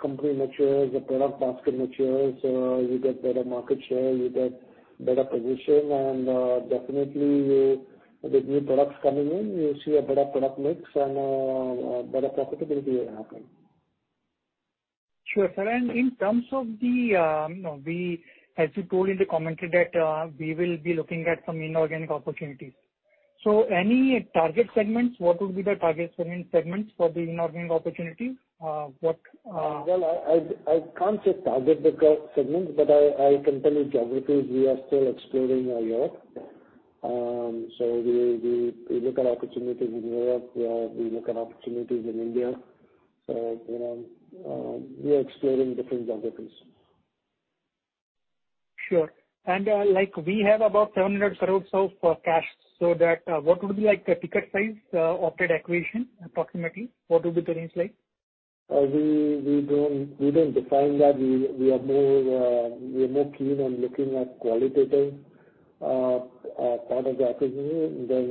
company matures, the product basket matures, you get better market share, you get better position. Definitely, with new products coming in, you'll see a better product mix and better profitability will happen. Sure, sir. In terms of the, you know, as you told in the commentary that, we will be looking at some inorganic opportunities. Any target segments, what would be the target segments for the inorganic opportunity? Well, I can't say target the segments, but I can tell you geographies we are still exploring are Europe. We look at opportunities in Europe, we look at opportunities in India. You know, we are exploring different geographies. Sure. Like, we have about 700 crore of cash, what would be, like, the ticket size of that acquisition? Approximately, what would be the range like? We don't define that. We are more keen on looking at qualitative part of the acquisition than,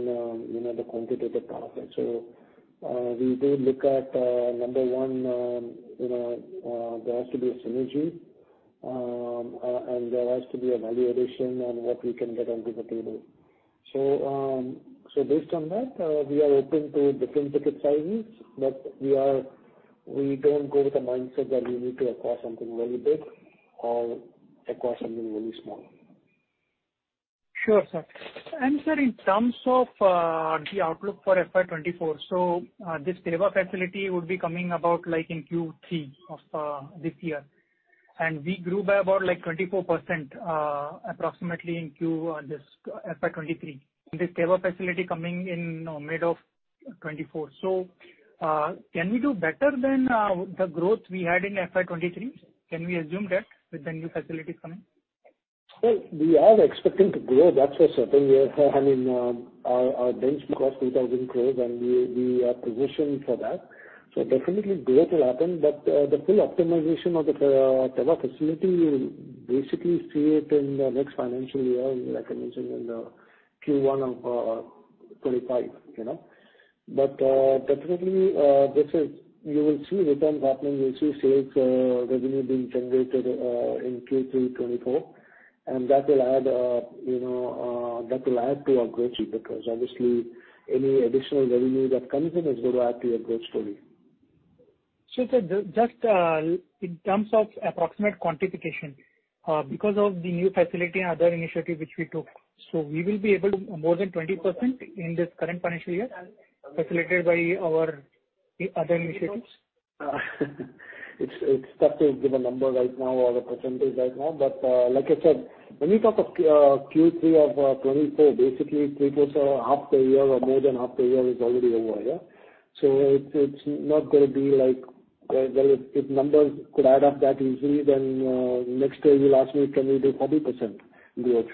you know, the quantitative part. We do look at number one, you know, there has to be a synergy and there has to be a value addition and what we can get onto the table. Based on that, we are open to different ticket sizes, but we don't go with a mindset that we need to acquire something very big or acquire something very small. Sure, sir. In terms of the outlook for FY 2024, this Teva facility would be coming about in Q3 of this year. We grew by about 24% approximately in this FY 2023. This Teva facility coming in mid of 2024. Can we do better than the growth we had in FY 2023? Can we assume that with the new facilities coming? Well, we are expecting to grow, that's for certain. Yeah, I mean, our bench, we got 2,000 crores, and we are positioned for that. Definitely growth will happen, but the full optimization of the Teva facility, we will basically see it in the next financial year, like I mentioned, in the Q1 of 2025, you know? You will see return happening, you'll see sales revenue being generated in Q3 2024, and that will add, you know, that will add to our growth because obviously any additional revenue that comes in is going to add to your growth story. Sure, sir. Just, in terms of approximate quantification, because of the new facility and other initiative which we took, so we will be able to more than 20% in this current financial year, facilitated by our, the other initiatives? It's tough to give a number right now or a percentage right now, but like I said, when you talk of Q3 of 2024, basically people saw half the year or more than half the year is already over, yeah. It's not gonna be like, well, if numbers could add up that easily, then next day you will ask me, "Can we do 40% growth?"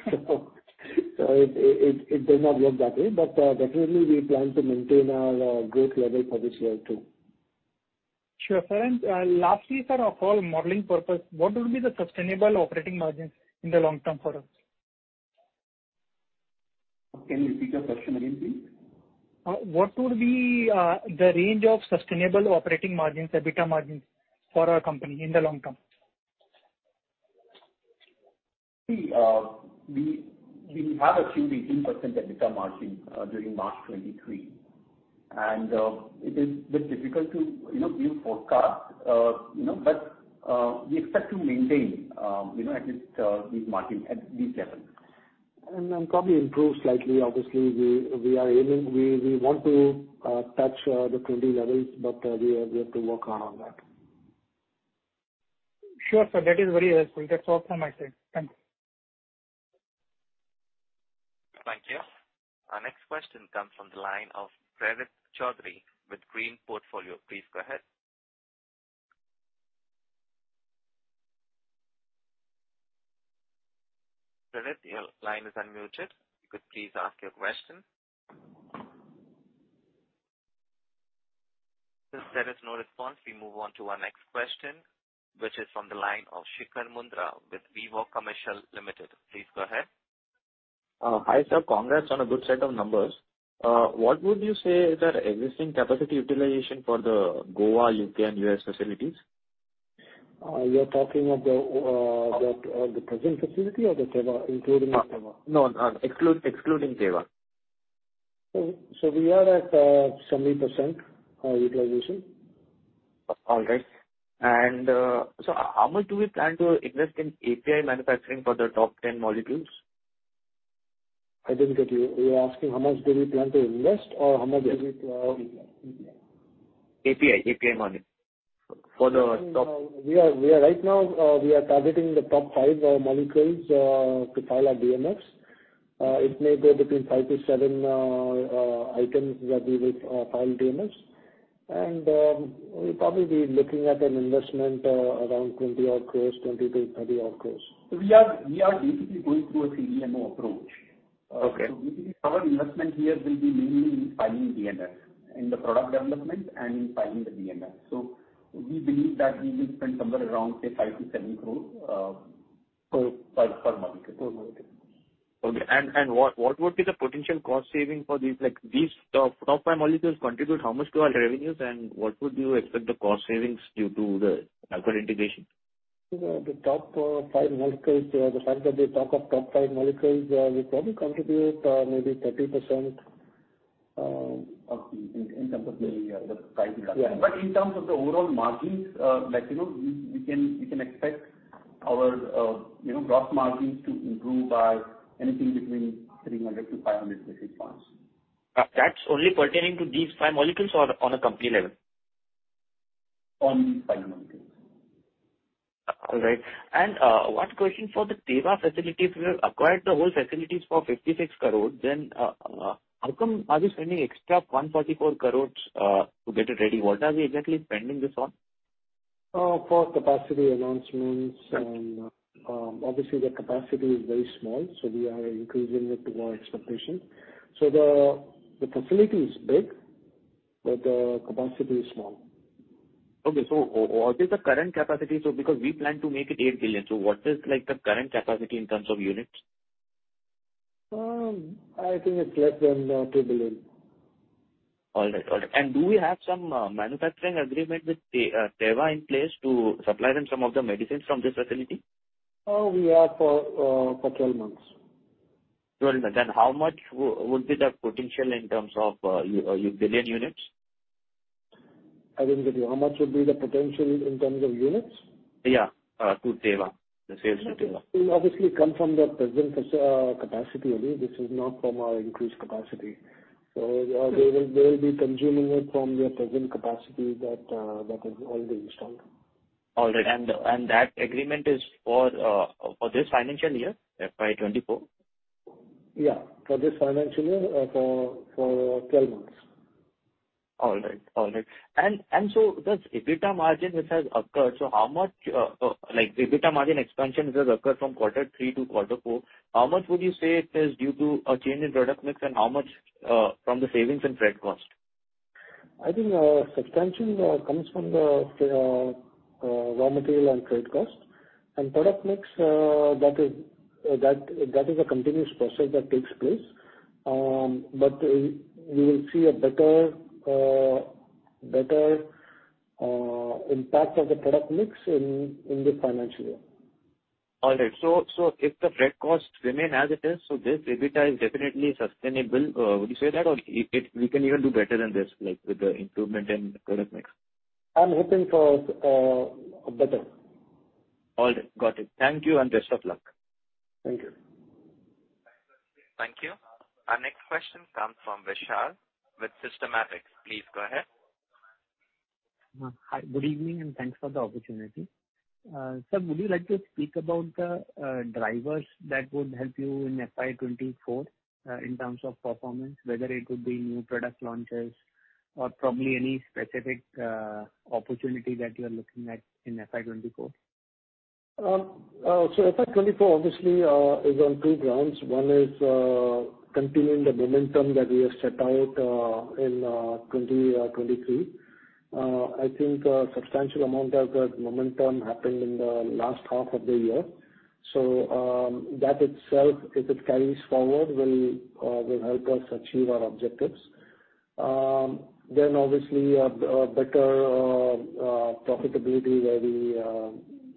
It does not work that way. Definitely we plan to maintain our growth level for this year, too. Sure, sir. Lastly, sir, of all modeling purpose, what would be the sustainable operating margins in the long term for us? Can you repeat the question again, please? What would be the range of sustainable operating margins, EBITDA margins for our company in the long term? We have achieved 18% EBITDA margin during March 2023. It is a bit difficult to, you know, give forecast, you know, but we expect to maintain, you know, at least this margin at this level. Probably improve slightly. Obviously, we are aiming, we want to touch the 20 levels, but we have to work hard on that. Sure, sir, that is very helpful. That's all from my side. Thank you. Thank you. Our next question comes from the line of Pravit Chaudhary with Green Portfolio. Please go ahead. Pravit, your line is unmuted. You could please ask your question. Since there is no response, we move on to our next question, which is from the line of Shikhar Mundra with Vivog Commercial Ltd.. Please go ahead. Hi, sir. Congrats on a good set of numbers. What would you say is our existing capacity utilization for the Goa, U.K. and U.S. facilities? You're talking of the present facility or the Teva, including the Teva? No, excluding Teva. We are at 70% utilization. All right. How much do we plan to invest in API manufacturing for the top 10 molecules? I didn't get you. You're asking how much do we plan to invest or how much do we plan? Yes. API molecule for the top- We are Right now, we are targeting the top five molecules to file our DMF. It may go between five-seven items that we would file DMF. We'll probably be looking at an investment around 20 odd crores, 20-30 odd crores. We are basically going through a CDMO approach. Okay. Basically, our investment here will be mainly in filing DMF, in the product development and in filing the DMF. We believe that we will spend somewhere around, say, 5 crore-7 crore per month. Okay. What would be the potential cost saving for these, like, these top five molecules contribute how much to our revenues, and what would you expect the cost savings due to the Teva integration? The top five molecules, the fact that they talk of top five molecules, will probably contribute, maybe 30%. Of the, in terms of the price reduction. Yeah. In terms of the overall margins, like, you know, we can expect our, you know, gross margins to improve by anything between 300 to 500 basis points. That's only pertaining to these five molecules or on a company level? On five molecules. All right. One question for the Teva facility. If you have acquired the whole facilities for 56 crore, how come are you spending extra 144 crores to get it ready? What are we exactly spending this on? For capacity enhancements and, obviously, the capacity is very small, so we are increasing it to our expectation. The facility is big, but the capacity is small. What is the current capacity? Because we plan to make it 8 billion, so what is, like, the current capacity in terms of units? I think it's less than $2 billion. All right. All right. Do we have some manufacturing agreement with Teva in place to supply them some of the medicines from this facility? We have for 12 months. 12 months. How much would be the potential in terms of billion units? I didn't get you. How much would be the potential in terms of units? Yeah, to Teva, the sales to Teva. It will obviously come from the present capacity only. This is not from our increased capacity. They will be consuming it from their present capacity that is already installed. All right. That agreement is for this financial year, FY 2024? Yeah, for this financial year, for 12 months. All right. This EBITDA margin, which has occurred, so how much, like, EBITDA margin expansion, which has occurred from quarter three to quarter four, how much would you say it is due to a change in product mix and how much from the savings in freight cost? I think expansion comes from the raw material and freight cost. Product mix that is a continuous process that takes place. We will see a better impact of the product mix in this financial year. All right. If the freight costs remain as it is, this EBITDA is definitely sustainable, would you say that? We can even do better than this, like, with the improvement in product mix. I'm hoping for better. All right. Got it. Thank you and best of luck. Thank you. Thank you. Our next question comes from Vishal with Systematix. Please go ahead. Hi, good evening. Thanks for the opportunity. Sir, would you like to speak about the drivers that would help you in FY 2024 in terms of performance, whether it would be new product launches or probably any specific opportunity that you are looking at in FY 2024? FY 2024 obviously is on two grounds. One is continuing the momentum that we have set out in 2023. I think a substantial amount of that momentum happened in the last half of the year. That itself, if it carries forward, will help us achieve our objectives. Obviously, a better profitability where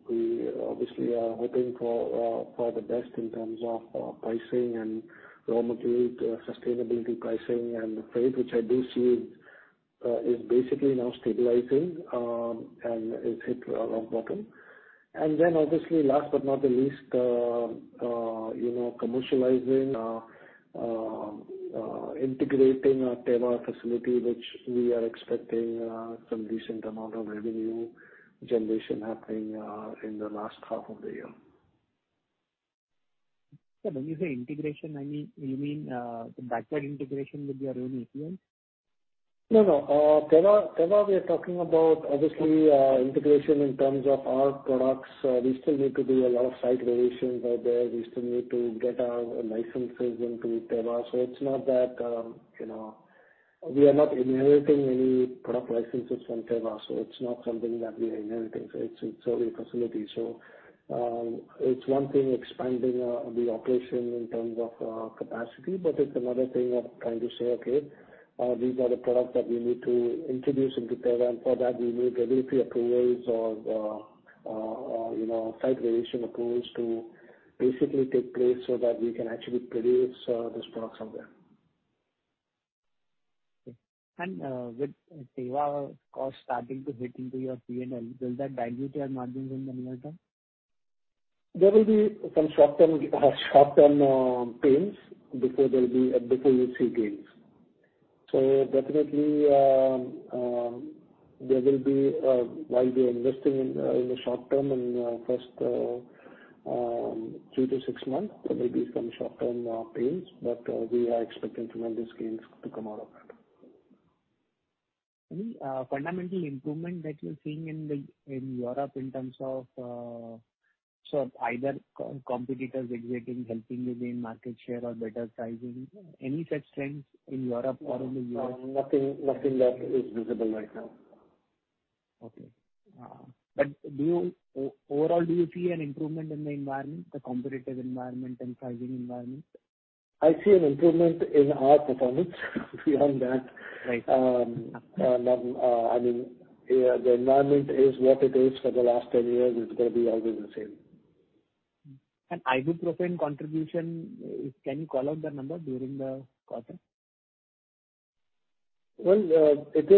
we obviously are hoping for the best in terms of pricing and raw material sustainability pricing and freight, which I do see is basically now stabilizing and is hit a rock bottom. Obviously last but not the least, you know, commercializing, integrating our Teva facility, which we are expecting some decent amount of revenue generation happening in the last half of the year. Sir, when you say integration, I mean, you mean, the backward integration with your own API? No, no. Teva, we are talking about obviously, integration in terms of our products. We still need to do a lot of site variations out there. We still need to get licenses into Teva. It's not that, you know, we are not inheriting any product licenses from Teva. It's not something that we are inheriting. It's only facility. It's one thing expanding the operation in terms of capacity, but it's another thing of trying to say, okay, these are the products that we need to introduce into Teva, and for that, we need USP approvals or, you know, site variation approvals to basically take place so that we can actually produce this product somewhere. With Teva cost starting to hit into your P&L, will that dilute your margins in the near term? There will be some short-term pains before there will be before you see gains. Definitely, there will be while we are investing in in the short term, in first three-six months, there may be some short-term pains, but we are expecting some of these gains to come out of that.... fundamental improvement that you're seeing in Europe in terms of either competitors exiting, helping you gain market share or better pricing. Any such trends in Europe or in the US? Nothing, nothing that is visible right now. Okay. Do you overall, do you see an improvement in the environment, the competitive environment and pricing environment? I see an improvement in our performance beyond that. Right. I mean, yeah, the environment is what it is for the last 10 years, it's gonna be always the same. ibuprofen contribution, can you call out the number during the quarter? Well, it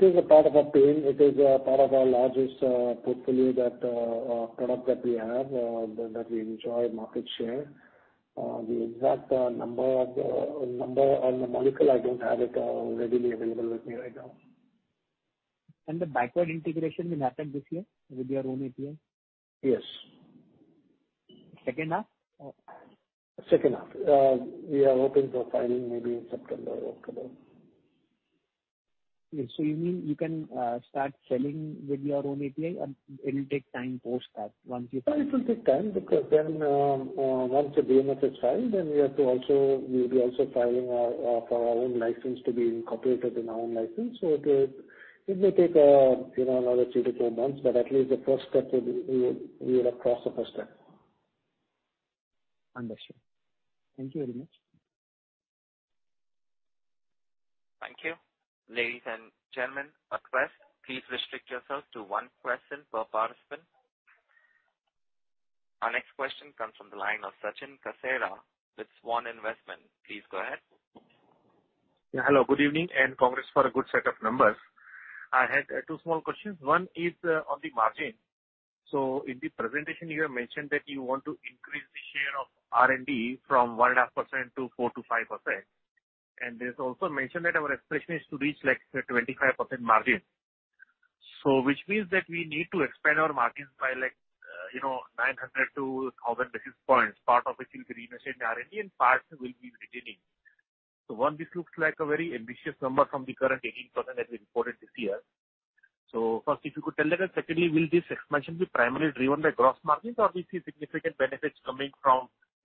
is a part of our pain. It is a part of our largest portfolio that product that we have that we enjoy market share. The exact number on the molecule, I don't have it readily available with me right now. The backward integration will happen this year with your own API? Yes. Second half? Second half. We are hoping for filing maybe in September or October. Yes. You mean you can, start selling with your own API, or it'll take time post that, once you file? It will take time because once the DMF is filed, we'll be also filing our for our own license to be incorporated in our own license. It is, it may take, you know, another two to four months, but at least the first step will be, we would have crossed the first step. Understand. Thank you very much. Thank you. Ladies and gentlemen, a request, please restrict yourselves to one question per participant. Our next question comes from the line of Sachin Kasera with Svan Investment. Please go ahead. Hello, good evening, and congrats for a good set of numbers. I had two small questions. One is on the margin. In the presentation you have mentioned that you want to increase the share of R&D from 1.5%-4%-5%. There's also mentioned that our aspiration is to reach, like, 25% margin. Which means that we need to expand our margins by, like, you know, 900 to 1,000 basis points, part of which will be reinvested in R&D and part will be retaining. One, this looks like a very ambitious number from the current 18% that we reported this year. First, if you could elaborate, secondly, will this expansion be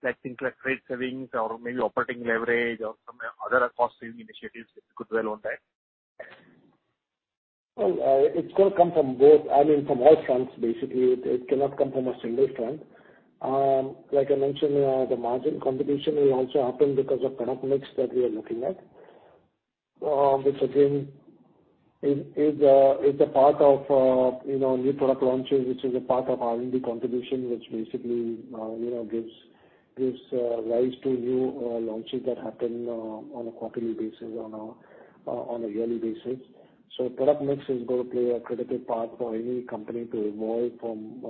primarily driven by gross margins, or do you see significant benefits coming from, let's say, things like trade savings or maybe operating leverage, or some other cost-saving initiatives, if you could dwell on that? Well, it's gonna come from both, I mean, from all fronts, basically. It cannot come from a single front. Like I mentioned, the margin contribution will also happen because of product mix that we are looking at. Which again, is a part of, you know, new product launches, which is a part of R&D contribution, which basically, you know, gives rise to new launches that happen on a quarterly basis, on a yearly basis. Product mix is going to play a critical part for any company to evolve from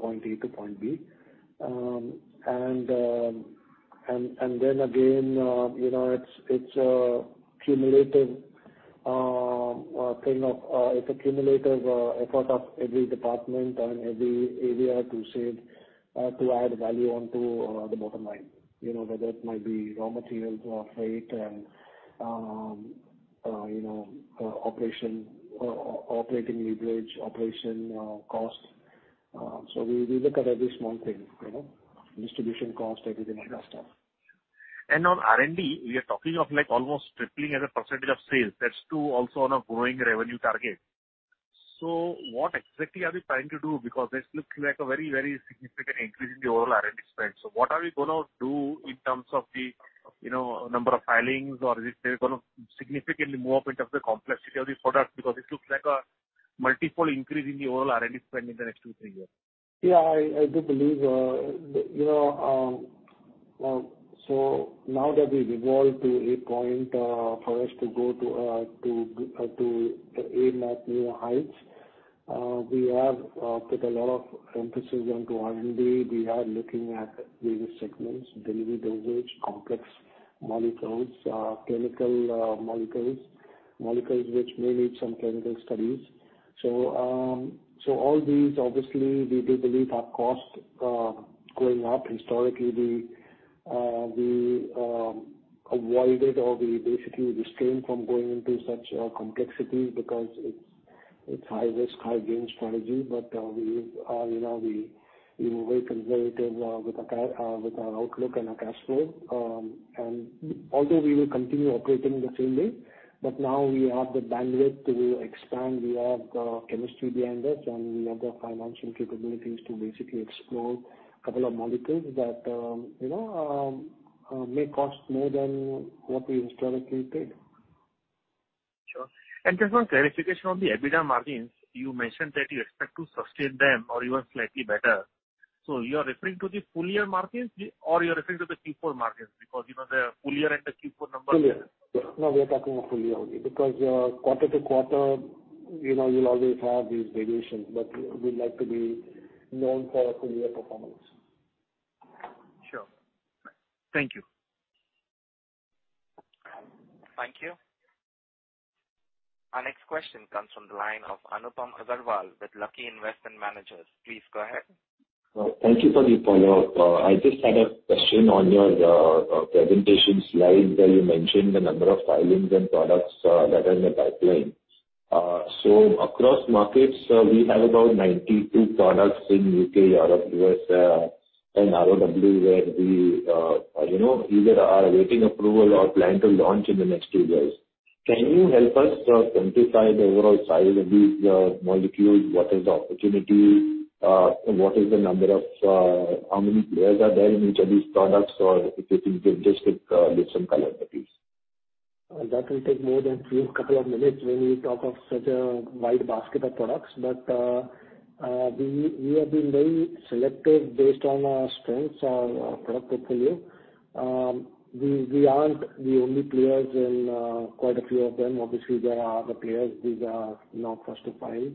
point A to point B. Then again, you know, it's a cumulative thing of, it's a cumulative effort of every department and every area to save, to add value onto the bottom line. You know, whether it might be raw materials or freight and, you know, operating leverage, operation, costs. We look at every small thing, you know? Distribution costs, everything, like that stuff. On R&D, we are talking of, like, almost tripling as a percentage of sales. That's too, also on a growing revenue target. What exactly are we trying to do? This looks like a very, very significant increase in the overall R&D spend. What are we gonna do in terms of the, you know, number of filings, or is it gonna significantly more point of the complexity of the product? This looks like a multiple increase in the overall R&D spend in the next two, three years. Yeah, I do believe, you know, now that we've evolved to a point, for us to go to aim at new heights, we have put a lot of emphasis onto R&D. We are looking at various segments, delivery dosage, complex molecules, clinical molecules which may need some clinical studies. All these obviously, we do believe our costs going up. Historically, we avoided or we basically restrained from going into such complexities because it's high risk, high gain strategy. We, you know, we were very conservative with our outlook and our cash flow. Although we will continue operating the same way, but now we have the bandwidth to expand, we have the chemistry behind us, and we have the financial capabilities to basically explore a couple of molecules that, you know, may cost more than what we historically paid. Sure. Just one clarification on the EBITDA margins. You mentioned that you expect to sustain them or even slightly better. You are referring to the full-year margins, or you are referring to the Q4 margins? Because, you know, the full-year and the Q4 numbers. Full year. We are talking of full year only, because quarter to quarter, you know, you'll always have these variations, but we'd like to be known for our full-year performance. Sure. Thank you. Thank you. Our next question comes from the line of Anupam Agarwal with Lucky Investment Managers. Please go ahead. Thank you for the follow-up. I just had a question on your presentation slide, where you mentioned the number of filings and products that are in the pipeline. Across markets, we have about 92 products in U.K., Europe, U.S., and ROW, where we, you know, either are awaiting approval or plan to launch in the next two years. Can you help us identify the overall size of these molecules? What is the opportunity? What is the number of how many players are there in each of these products, or if you can just give some color, please. That will take more than few couple of minutes when we talk of such a wide basket of products. We have been very selective based on our strengths, our product portfolio. We aren't the only players in quite a few of them. Obviously, there are other players these are, not first to file.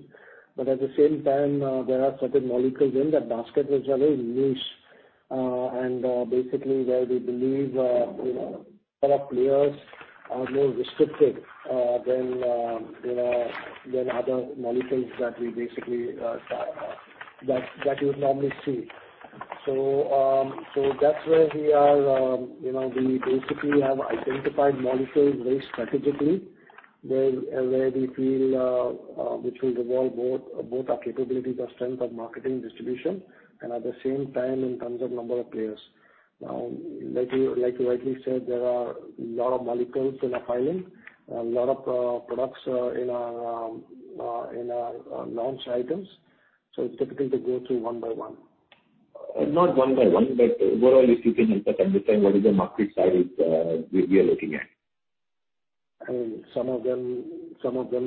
At the same time, there are certain molecules in that basket which are very niche, and basically, where we believe, you know, other players are more restricted than, you know, than other molecules that we basically that you would normally see. That's where we are, you know, we basically have identified molecules very strategically, where we feel which will evolve both our capabilities, our strength and marketing distribution, and at the same time, in terms of number of players. Like you rightly said, there are a lot of molecules in the filing, a lot of products in our in our launch items, so it's difficult to go through one by one. Not one by one, but overall, if you can help us understand what is the market size, we are looking at? I mean, some of them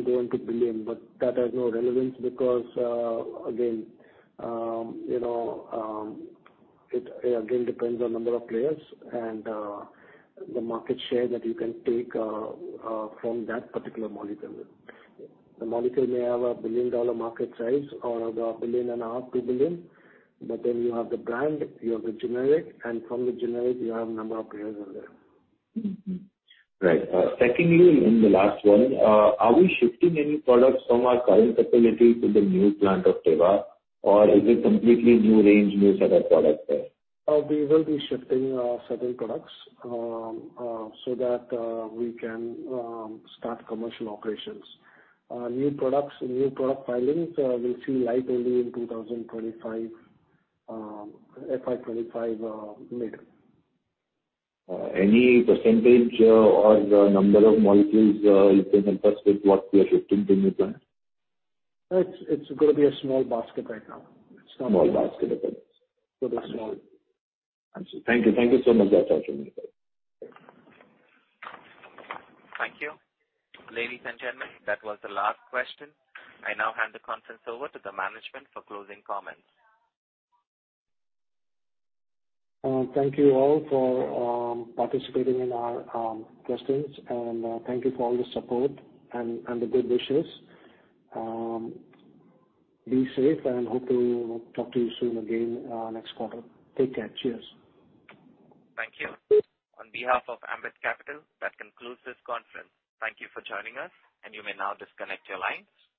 go into $1 billion, but that has no relevance because again, you know, it again depends on number of players and the market share that you can take from that particular molecule. The molecule may have a $1 billion-dollar market size or about $1.5 billion, $2 billion, but then you have the brand, you have the generic, and from the generic, you have number of players out there. Mm-hmm. Right. secondly, and the last one, are we shifting any products from our current facility to the new plant of Teva, or is it completely new range, new set of products there? We will be shifting certain products so that we can start commercial operations. New products, new product filings will see light only in 2025, FY 2025 mid. Any percentage, or number of molecules, you can help us with what we are shifting to new plant? It's gonna be a small basket right now. It's not. Small basket, okay. It's small. I see. Thank you. Thank you so much, that's all from me. Thank you. Ladies and gentlemen, that was the last question. I now hand the conference over to the management for closing comments. Thank you all for participating in our questions, and thank you for all the support and the good wishes. Be safe, and hope to talk to you soon again next quarter. Take care. Cheers. Thank you. On behalf of Ambit Capital, that concludes this conference. Thank you for joining us, and you may now disconnect your lines.